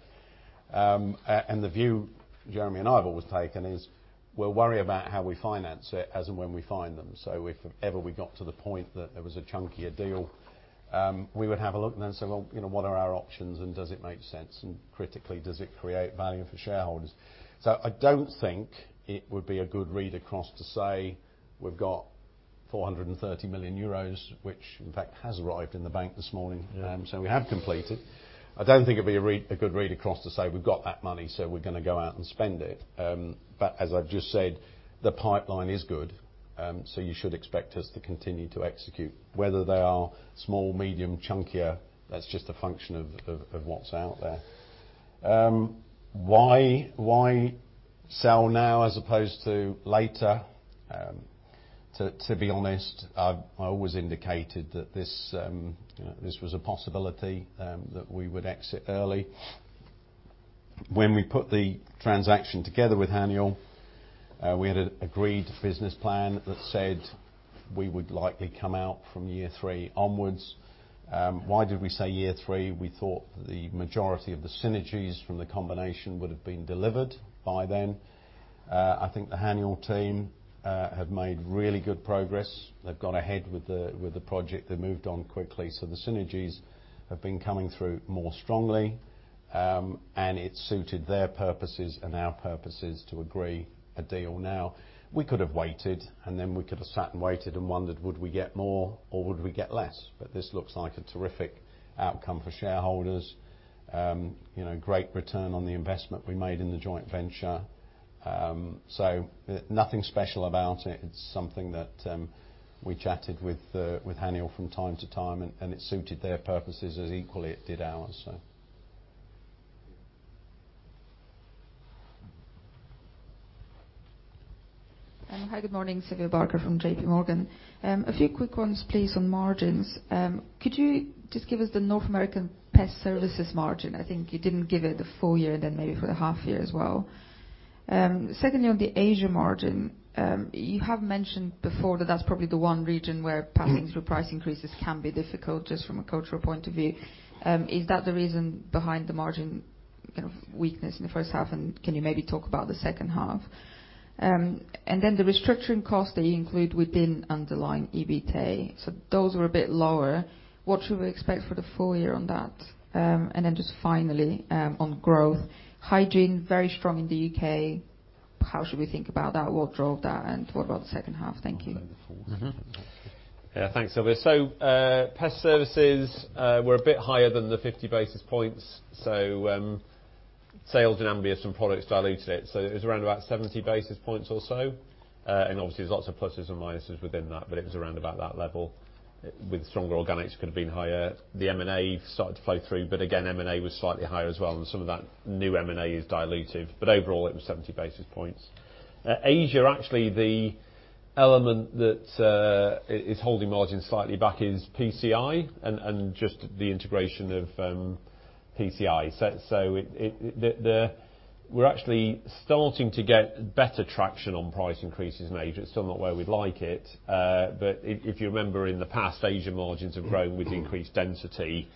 The view Jeremy and I have always taken is we'll worry about how we finance it as and when we find them. If ever we got to the point that there was a chunkier deal, we would have a look and then say, "Well, what are our options and does it make sense? And critically, does it create value for shareholders?" I don't think it would be a good read across to say we've got 430 million euros, which in fact has arrived in the bank this morning. Yeah. We have completed. I don't think it'd be a good read across to say we've got that money, so we're going to go out and spend it. As I've just said, the pipeline is good, so you should expect us to continue to execute. Whether they are small, medium, chunkier, that's just a function of what's out there. Why sell now as opposed to later? To be honest, I always indicated that this was a possibility that we would exit early. When we put the transaction together with Haniel, we had agreed a business plan that said we would likely come out from year three onwards. Why did we say year three? We thought the majority of the synergies from the combination would have been delivered by then. I think the Haniel team have made really good progress. They've got ahead with the project. They moved on quickly. The synergies have been coming through more strongly. It suited their purposes and our purposes to agree a deal now. We could have waited. We could have sat and waited and wondered, would we get more or would we get less? This looks like a terrific outcome for shareholders, a great return on the investment we made in the joint venture. Nothing special about it. It's something that we chatted with Haniel from time to time, and it suited their purposes as equally it did ours. Yeah. Hi, good morning. Sylvia Barker from J.P. Morgan. A few quick ones, please, on margins. Could you just give us the North American Pest Services margin? I think you didn't give it the full year then, maybe for the half year as well. Secondly, on the Asia margin, you have mentioned before that that's probably the one region where passing through price increases can be difficult just from a cultural point of view. Is that the reason behind the margin kind of weakness in the first half? Can you maybe talk about the second half? The restructuring costs that you include within underlying EBITA, those are a bit lower. What should we expect for the full year on that? Just finally, on growth, Hygiene, very strong in the U.K. How should we think about that? What drove that? What about the second half? Thank you. I'll handle the first. Yeah. Thanks, Sylvia. Pest services were a bit higher than the 50 basis points. Sales and Ambius from products diluted it. It was around about 70 basis points or so. Obviously, there's lots of pluses and minuses within that, but it was around about that level. With stronger organics, it could've been higher. The M&A started to flow through, but again, M&A was slightly higher as well, and some of that new M&A is dilutive. Overall, it was 70 basis points. Asia, actually, the element that is holding margins slightly back is PCI, and just the integration of PCI. We're actually starting to get better traction on price increases in Asia. It's still not where we'd like it. If you remember in the past, Asia margins have grown with increased density,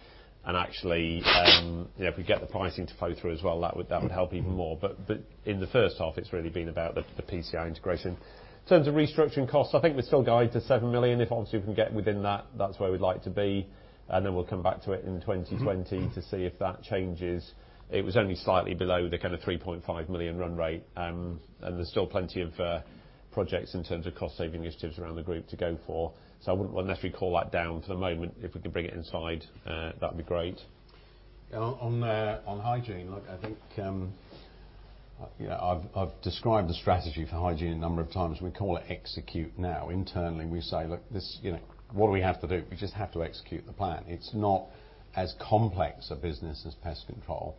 and actually, if we get the pricing to flow through as well, that would help even more. In the first half, it's really been about the PCI integration. In terms of restructuring costs, I think we still guide to 7 million. If obviously we can get within that's where we'd like to be. Then we'll come back to it in 2020 to see if that changes. It was only slightly below the kind of 3.5 million run rate. There's still plenty of projects in terms of cost saving initiatives around the group to go for. I wouldn't necessarily call that down for the moment. If we could bring it inside, that'd be great. On Hygiene, look, I think I've described the strategy for Hygiene a number of times. We call it execute now. Internally, we say, "Look, what do we have to do? We just have to execute the plan." It's not as complex a business as Pest Control.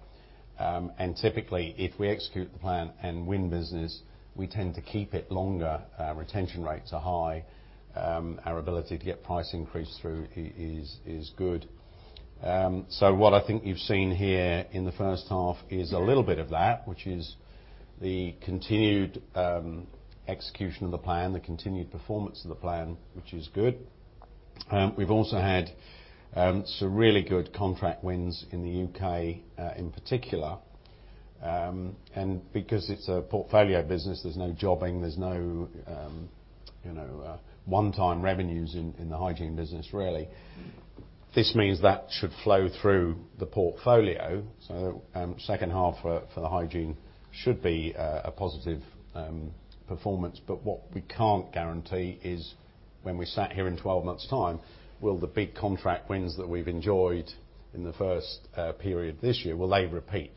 Typically, if we execute the plan and win business, we tend to keep it longer. Retention rates are high. Our ability to get price increase through is good. What I think you've seen here in the first half is a little bit of that, which is the continued execution of the plan, the continued performance of the plan, which is good. We've also had some really good contract wins in the U.K., in particular. Because it's a portfolio business, there's no jobbing, there's no one-time revenues in the Hygiene business, really. This means that should flow through the portfolio, second half for the Hygiene should be a positive performance. What we can't guarantee is when we're sat here in 12 months' time, will the big contract wins that we've enjoyed in the first period this year, will they repeat?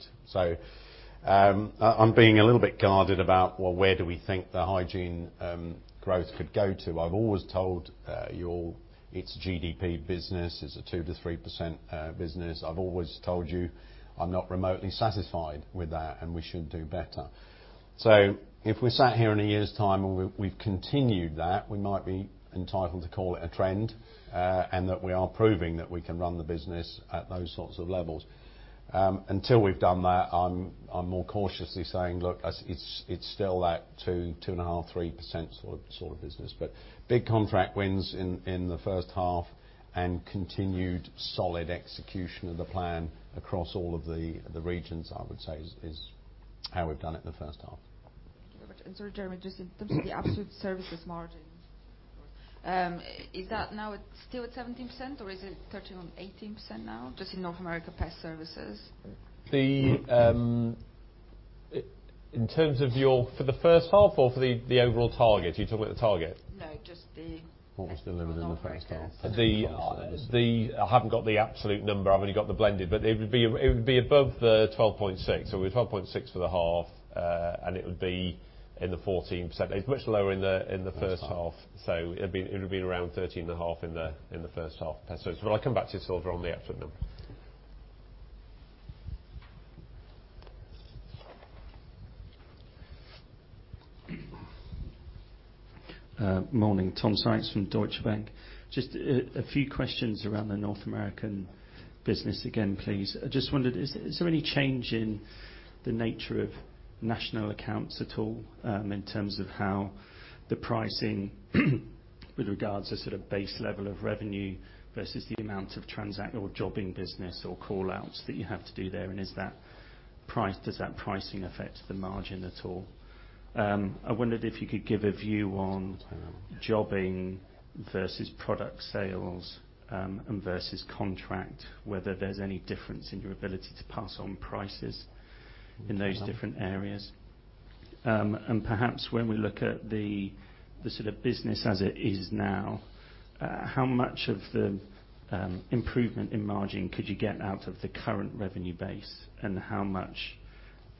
I'm being a little bit guarded about, well, where do we think the Hygiene growth could go to. I've always told you all, it's GDP business. It's a 2%-3% business. I've always told you I'm not remotely satisfied with that, and we should do better. If we're sat here in a year's time and we've continued that, we might be entitled to call it a trend, and that we are proving that we can run the business at those sorts of levels. Until we've done that, I'm more cautiously saying, look, it's still that 2.5%, 3% sort of business. Big contract wins in the first half, and continued solid execution of the plan across all of the regions, I would say is how we've done it in the first half. Thank you very much. Sorry, Jeremy, just in terms of the absolute services margin, is that now still at 17% or is it touching on 18% now, just in North America Pest Control? In terms of for the first half or for the overall target? You talking about the target? No, just the pest control- What was delivered in the first half? North America. I haven't got the absolute number. I've only got the blended, it would be above the 12.6. We were 12.6 for the half, and it would be in the 14%. It's much lower in the first half. It would be around 13.5 in the first half. I'll come back to you, Sylvia, on the absolute number. Okay. Morning. Tom Sykes from Deutsche Bank. Just a few questions around the North American business again, please. I just wondered, is there any change in the nature of national accounts at all, in terms of how the pricing with regards to sort of base level of revenue versus the amount of transact or jobbing business or call-outs that you have to do there, and does that pricing affect the margin at all? I wondered if you could give a view on jobbing versus product sales, and versus contract, whether there's any difference in your ability to pass on prices in those different areas. Perhaps when we look at the sort of business as it is now, how much of the improvement in margin could you get out of the current revenue base, and how much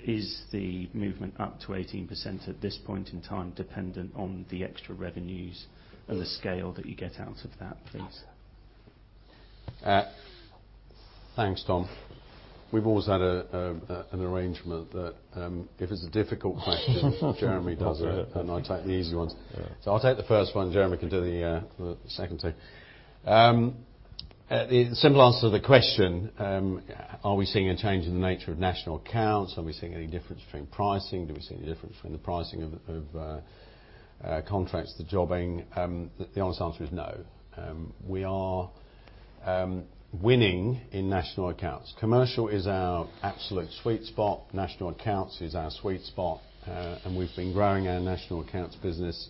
is the movement up to 18% at this point in time dependent on the extra revenues and the scale that you get out of that, please? Thanks, Tom. We've always had an arrangement that if it's a difficult question Jeremy does it, and I take the easy ones. I'll take the first one, Jeremy can do the second two. The simple answer to the question, are we seeing a change in the nature of national accounts? Are we seeing any difference between pricing? Do we see any difference between the pricing Contracts to jobbing, the honest answer is no. We are winning in national accounts. commercial is our absolute sweet spot. national accounts is our sweet spot. We've been growing our national accounts business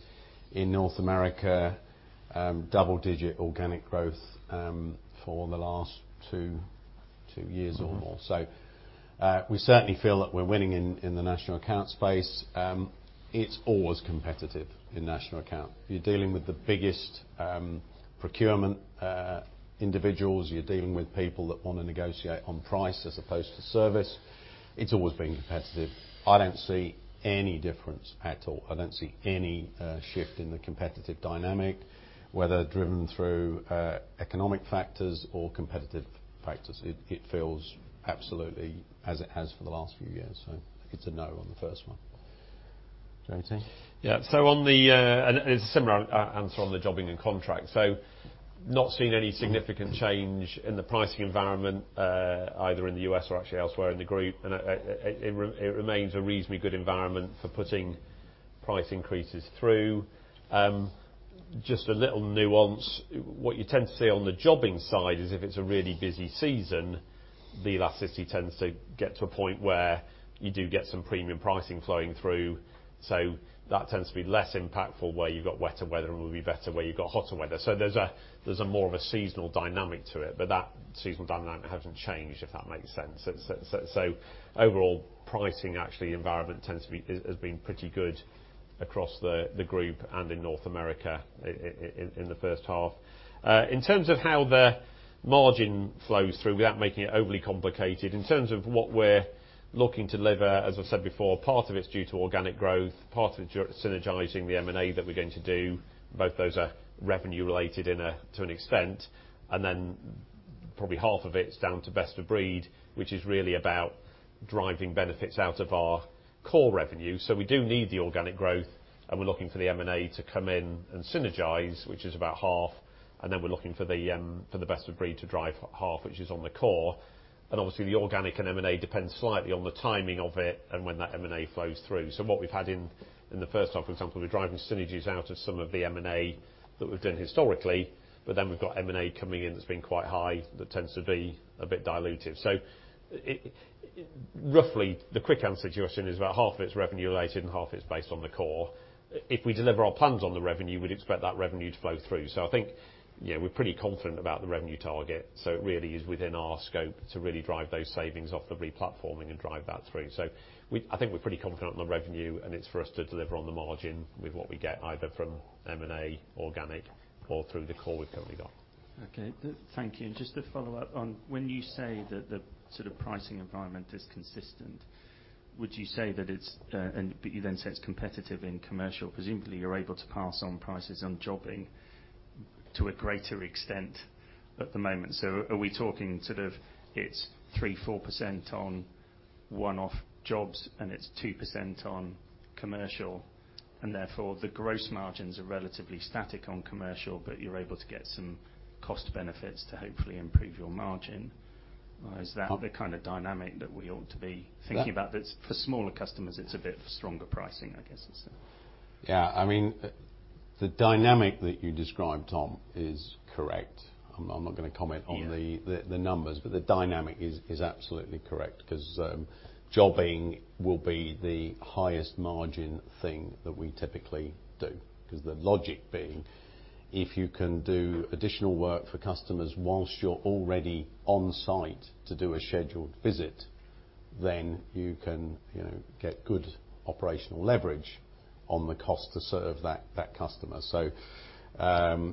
in North America, double-digit organic growth for the last two years or more. We certainly feel that we're winning in the national account space. It's always competitive in national account. You're dealing with the biggest procurement individuals, you're dealing with people that want to negotiate on price as opposed to service. It's always been competitive. I don't see any difference at all. I don't see any shift in the competitive dynamic, whether driven through economic factors or competitive factors. It feels absolutely as it has for the last few years. I think it's a no on the first one. Jeremy? Yeah. It's a similar answer on the jobbing and contract. Not seeing any significant change in the pricing environment, either in the U.S. or actually elsewhere in the group. It remains a reasonably good environment for putting price increases through. Just a little nuance. What you tend to see on the jobbing side is if it's a really busy season, the elasticity tends to get to a point where you do get some premium pricing flowing through. That tends to be less impactful where you've got wetter weather and will be better where you've got hotter weather. There's more of a seasonal dynamic to it, but that seasonal dynamic hasn't changed, if that makes sense. Overall pricing actually environment has been pretty good across the group and in North America in the first half. In terms of how the margin flows through without making it overly complicated, in terms of what we're looking to deliver, as I said before, part of it's due to organic growth, part of it synergizing the M&A that we're going to do, both those are revenue related to an extent, then probably half of it's down to best of breed, which is really about driving benefits out of our core revenue. We do need the organic growth and we're looking for the M&A to come in and synergize, which is about half, then we're looking for the best of breed to drive half, which is on the core. Obviously the organic and M&A depends slightly on the timing of it and when that M&A flows through. What we've had in the first half, for example, we're driving synergies out of some of the M&A that we've done historically, but then we've got M&A coming in that's been quite high, that tends to be a bit diluted. Roughly, the quick answer to your question is about half of it's revenue related and half is based on the core. If we deliver our plans on the revenue, we'd expect that revenue to flow through. I think we're pretty confident about the revenue target. It really is within our scope to really drive those savings off the replatforming and drive that through. I think we're pretty confident on the revenue, and it's for us to deliver on the margin with what we get, either from M&A, organic, or through the core we've currently got. Okay. Thank you. Just to follow up on when you say that the sort of pricing environment is consistent, would you say that you then say it's competitive in commercial. Presumably, you're able to pass on prices on jobbing to a greater extent at the moment. Are we talking sort of it's 3%, 4% on one-off jobs and it's 2% on commercial, and therefore, the gross margins are relatively static on commercial, but you're able to get some cost benefits to hopefully improve your margin? Is that the kind of dynamic that we ought to be thinking about? For smaller customers, it's a bit of a stronger pricing, I guess? The dynamic that you described, Tom, is correct. I'm not going to comment on the numbers, but the dynamic is absolutely correct because jobbing will be the highest margin thing that we typically do. The logic being, if you can do additional work for customers whilst you're already on site to do a scheduled visit, then you can get good operational leverage on the cost to serve that customer.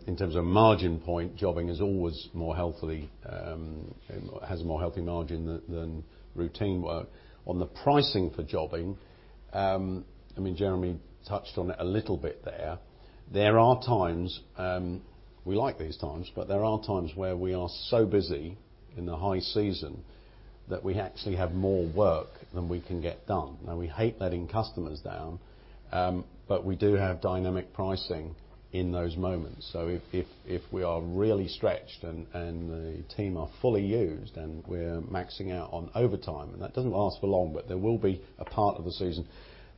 In terms of margin point, jobbing is always more healthily, has a more healthy margin than routine work. On the pricing for jobbing, Jeremy touched on it a little bit there. There are times, we like these times, but there are times where we are so busy in the high season that we actually have more work than we can get done. Now we hate letting customers down. We do have dynamic pricing in those moments. If we are really stretched and the team are fully used and we're maxing out on overtime, and that doesn't last for long, but there will be a part of the season,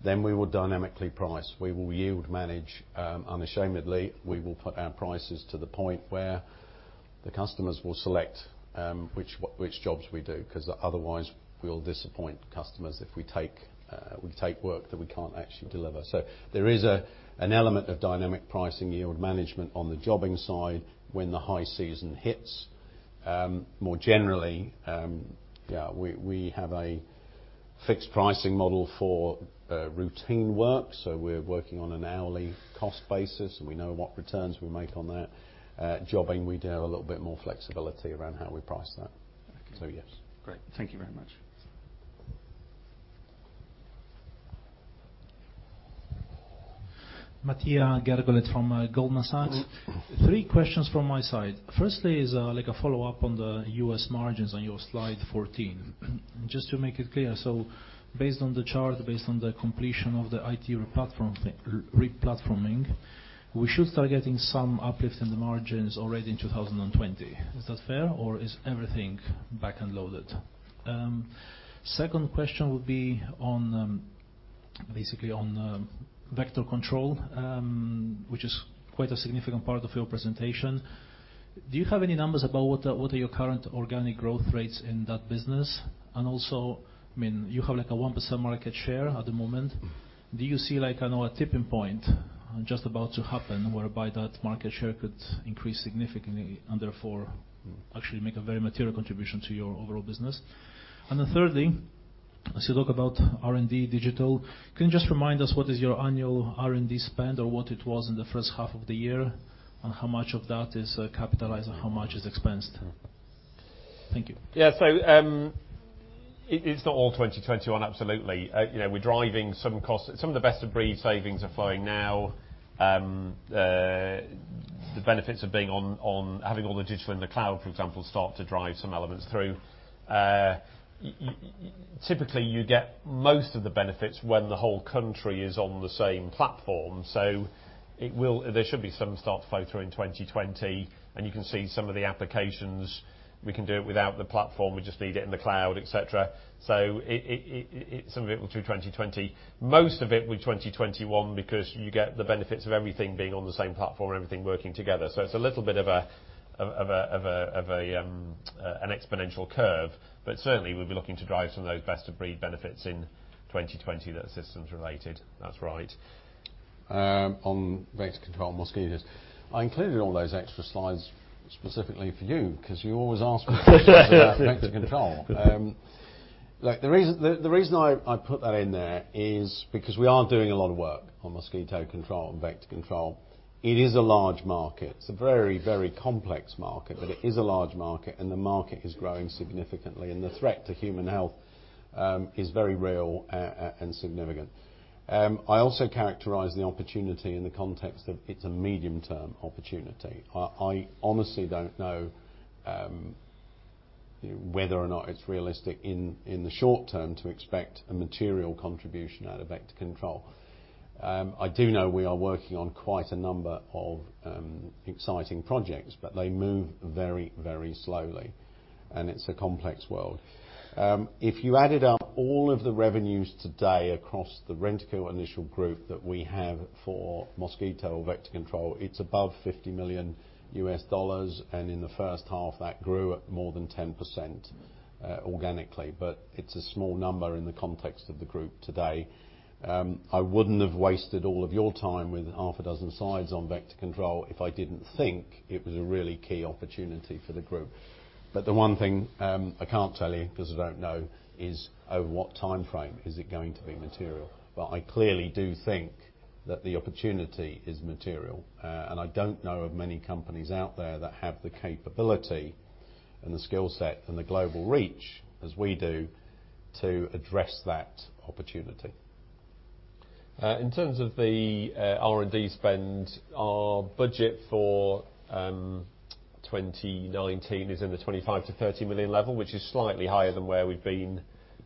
then we will dynamically price. We will yield manage unashamedly. We will put our prices to the point where the customers will select which jobs we do, because otherwise we'll disappoint customers if we take work that we can't actually deliver. There is an element of dynamic pricing yield management on the jobbing side when the high season hits. More generally, we have a fixed pricing model for routine work, so we're working on an hourly cost basis, and we know what returns we make on that. Jobbing, we do have a little bit more flexibility around how we price that. Okay. Yes. Great. Thank you very much. Matija Gergolet from Goldman Sachs. Three questions from my side. Firstly is like a follow-up on the U.S. margins on your slide 14. Just to make it clear, based on the chart, based on the completion of the IT replatforming We should start getting some uplift in the margins already in 2020. Is that fair, or is everything back-end loaded? Second question would be basically on Vector Control, which is quite a significant part of your presentation. Do you have any numbers about what are your current organic growth rates in that business? Also, you have a 1% market share at the moment. Do you see a tipping point just about to happen whereby that market share could increase significantly and therefore actually make a very material contribution to your overall business? Then thirdly, as you talk about R&D, digital, can you just remind us what is your annual R&D spend or what it was in the first half of the year, and how much of that is capitalized and how much is expensed? Thank you. Yeah. It's not all 2021, absolutely. We're driving some costs. Some of the best of breed savings are flowing now. The benefits of having all the digital in the cloud, for example, start to drive some elements through. Typically, you get most of the benefits when the whole country is on the same platform. There should be some start to flow through in 2020. You can see some of the applications, we can do it without the platform. We just need it in the cloud, et cetera. Some of it will through 2020. Most of it will 2021 because you get the benefits of everything being on the same platform and everything working together. It's a little bit of an exponential curve. Certainly, we'll be looking to drive some of those best of breed benefits in 2020 that are systems related. That's right. On Vector Control mosquitoes, I included all those extra slides specifically for you because you always ask me questions about Vector Control. The reason I put that in there is because we are doing a lot of work on mosquito control and Vector Control. It is a large market. It's a very complex market, but it is a large market, and the market is growing significantly, and the threat to human health is very real and significant. I also characterize the opportunity in the context of it's a medium-term opportunity. I honestly don't know whether or not it's realistic in the short term to expect a material contribution out of Vector Control. I do know we are working on quite a number of exciting projects, but they move very slowly, and it's a complex world. If you added up all of the revenues today across the Rentokil Initial group that we have for mosquito or Vector Control, it is above $50 million, and in the first half, that grew at more than 10% organically. It is a small number in the context of the group today. I wouldn't have wasted all of your time with half a dozen slides on Vector Control if I didn't think it was a really key opportunity for the group. The one thing I can't tell you, because I don't know, is over what timeframe is it going to be material. I clearly do think that the opportunity is material. I don't know of many companies out there that have the capability and the skill set and the global reach as we do to address that opportunity. In terms of the R&D spend, our budget for 2019 is in the 25 million-30 million level, which is slightly higher than where we've been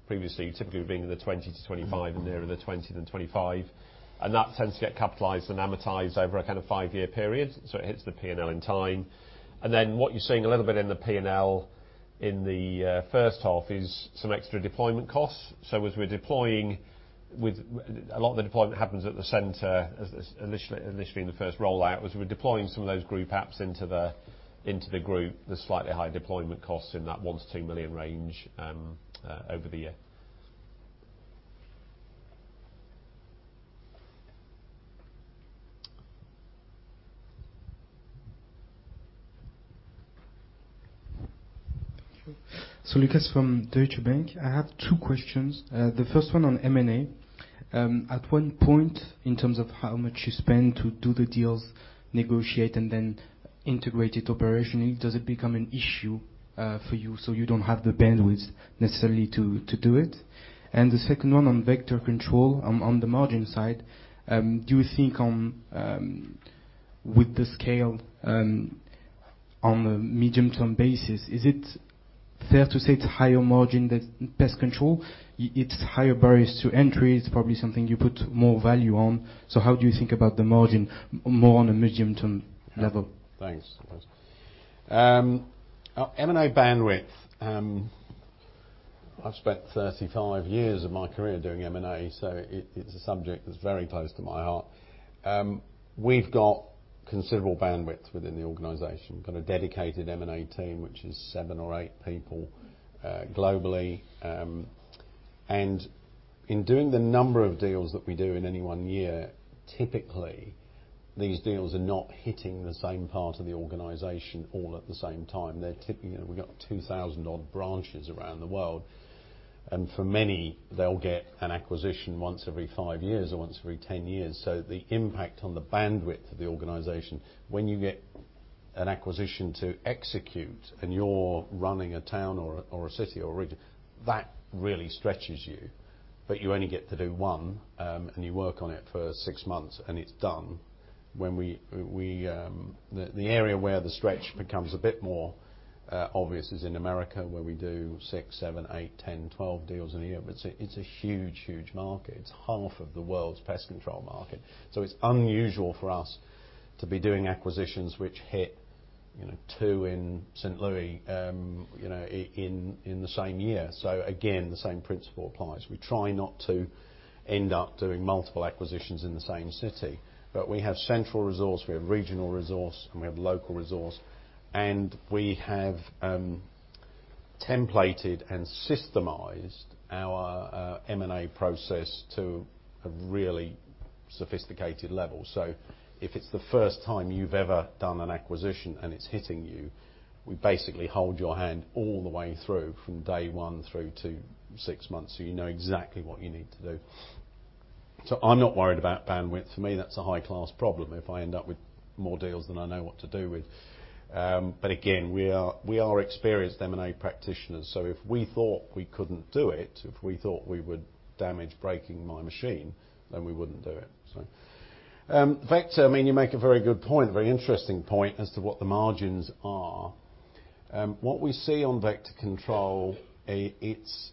previously. Typically, we've been in the 20 million-25 million and nearer the 20 million than 25 million. That tends to get capitalized and amortized over a five-year period, so it hits the P&L in time. What you're seeing a little bit in the P&L in the first half is some extra deployment costs. As we're deploying, a lot of the deployment happens at the center, initially in the first rollout, as we're deploying some of those group apps into the group, the slightly higher deployment costs in that 1 million-2 million range over the year. Sure. Lucas from Deutsche Bank. I have two questions. The first one on M&A. At what point, in terms of how much you spend to do the deals, negotiate, and then integrate it operationally, does it become an issue for you so you don't have the bandwidth necessarily to do it? The second one on Vector Control, on the margin side, do you think with the scale on the medium-term basis, is it fair to say it's higher margin than pest control? It's higher barriers to entry. It's probably something you put more value on. How do you think about the margin more on a medium-term level? Thanks. M&A bandwidth. I've spent 35 years of my career doing M&A. It's a subject that's very close to my heart. We've got considerable bandwidth within the organization. We've got a dedicated M&A team, which is seven or eight people globally. In doing the number of deals that we do in any one year, typically, these deals are not hitting the same part of the organization all at the same time. We got 2,000 odd branches around the world. For many, they'll get an acquisition once every five years or once every 10 years. The impact on the bandwidth of the organization when you get an acquisition to execute and you're running a town or a city or a region, that really stretches you. You only get to do one, and you work on it for six months, and it's done. The area where the stretch becomes a bit more obvious is in the U.S., where we do six, seven, eight, 10, 12 deals in a year. It's a huge market. It's half of the world's Pest Control market. It's unusual for us to be doing acquisitions which hit two in St. Louis in the same year. Again, the same principle applies. We try not to end up doing multiple acquisitions in the same city. We have central resource, we have regional resource, and we have local resource. We have templated and systemized our M&A process to a really sophisticated level. If it's the first time you've ever done an acquisition and it's hitting you, we basically hold your hand all the way through from day one through to six months, so you know exactly what you need to do. I'm not worried about bandwidth. For me, that's a high-class problem if I end up with more deals than I know what to do with. Again, we are experienced M&A practitioners, so if we thought we couldn't do it, if we thought we would damage breaking my machine, then we wouldn't do it. Vector, you make a very good point, a very interesting point as to what the margins are. What we see on vector control, it's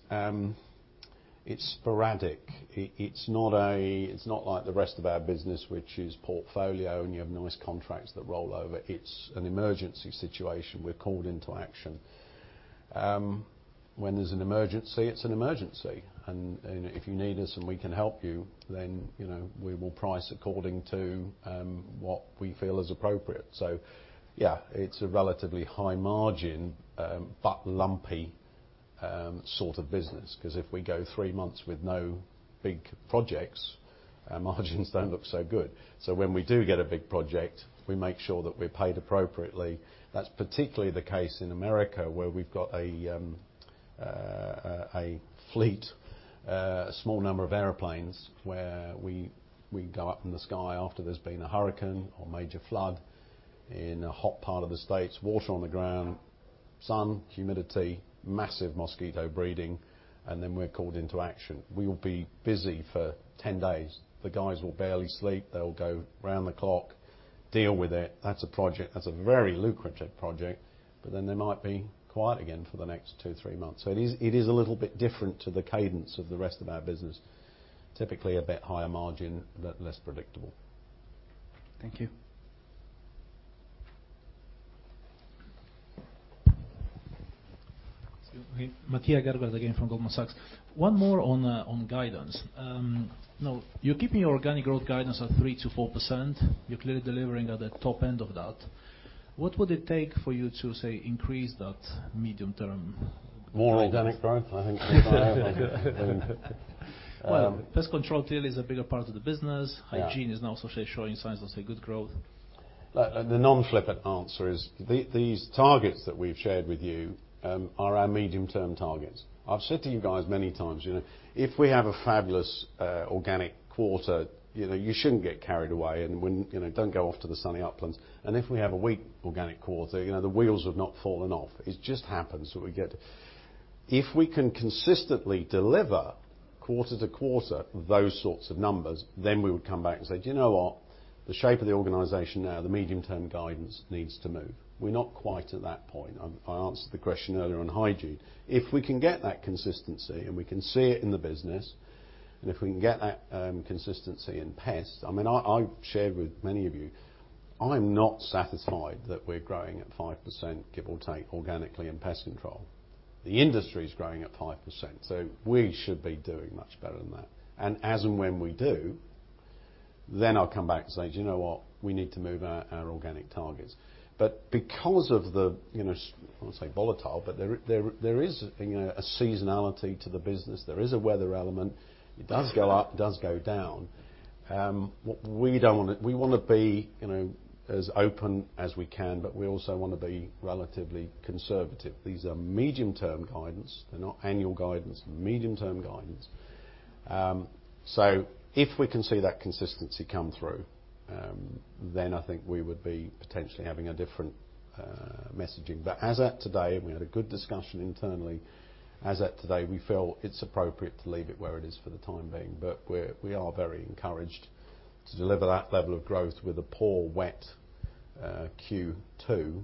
sporadic. It's not like the rest of our business, which is portfolio, and you have nice contracts that roll over. It's an emergency situation. We're called into action. When there's an emergency, it's an emergency. If you need us and we can help you, then we will price according to what we feel is appropriate. Yeah, it's a relatively high margin but lumpy sort of business because if we go 3 months with no big projects, our margins don't look so good. When we do get a big project, we make sure that we're paid appropriately. That's particularly the case in America, where we've got a fleet, a small number of airplanes where we go up in the sky after there's been a hurricane or major flood in a hot part of the States. Water on the ground, sun, humidity, massive mosquito breeding, we're called into action. We will be busy for 10 days. The guys will barely sleep. They'll go around the clock, deal with it. That's a project. That's a very lucrative project. They might be quiet again for the next two, three months. It is a little bit different to the cadence of the rest of our business. Typically a bit higher margin, but less predictable. Thank you. Excuse me. Matija Gergolet again from Goldman Sachs. One more on guidance. You're keeping your organic growth guidance at 3%-4%. You're clearly delivering at the top end of that. What would it take for you to, say, increase that medium term? More organic growth, I think. Well, Pest Control clearly is a bigger part of the business. Yeah. Hygiene is now also showing signs of, say, good growth. The non-flippant answer is these targets that we've shared with you are our medium-term targets. I've said to you guys many times, if we have a fabulous organic quarter, you shouldn't get carried away and don't go off to the sunny uplands. If we have a weak organic quarter, the wheels have not fallen off. If we can consistently deliver quarter to quarter those sorts of numbers, then we would come back and say, "Do you know what? The shape of the organization now, the medium-term guidance needs to move." We're not quite at that point. I answered the question earlier on Hygiene. If we can get that consistency and we can see it in the business, and if we can get that consistency in pest, I shared with many of you, I'm not satisfied that we're growing at 5%, give or take organically and Pest Control. The industry is growing at 5%. We should be doing much better than that. As and when we do, I'll come back and say, "Do you know what? We need to move our organic targets." Because of the, I won't say volatile, but there is a seasonality to the business. There is a weather element. It does go up, it does go down. We want to be as open as we can, but we also want to be relatively conservative. These are medium-term guidance. They're not annual guidance. Medium-term guidance. If we can see that consistency come through, then I think we would be potentially having a different messaging. As at today, we had a good discussion internally. As at today, we feel it's appropriate to leave it where it is for the time being. We are very encouraged to deliver that level of growth with a poor wet Q2.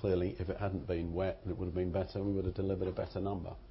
Clearly, if it hadn't been wet, it would have been better, and we would have delivered a better number. Okay.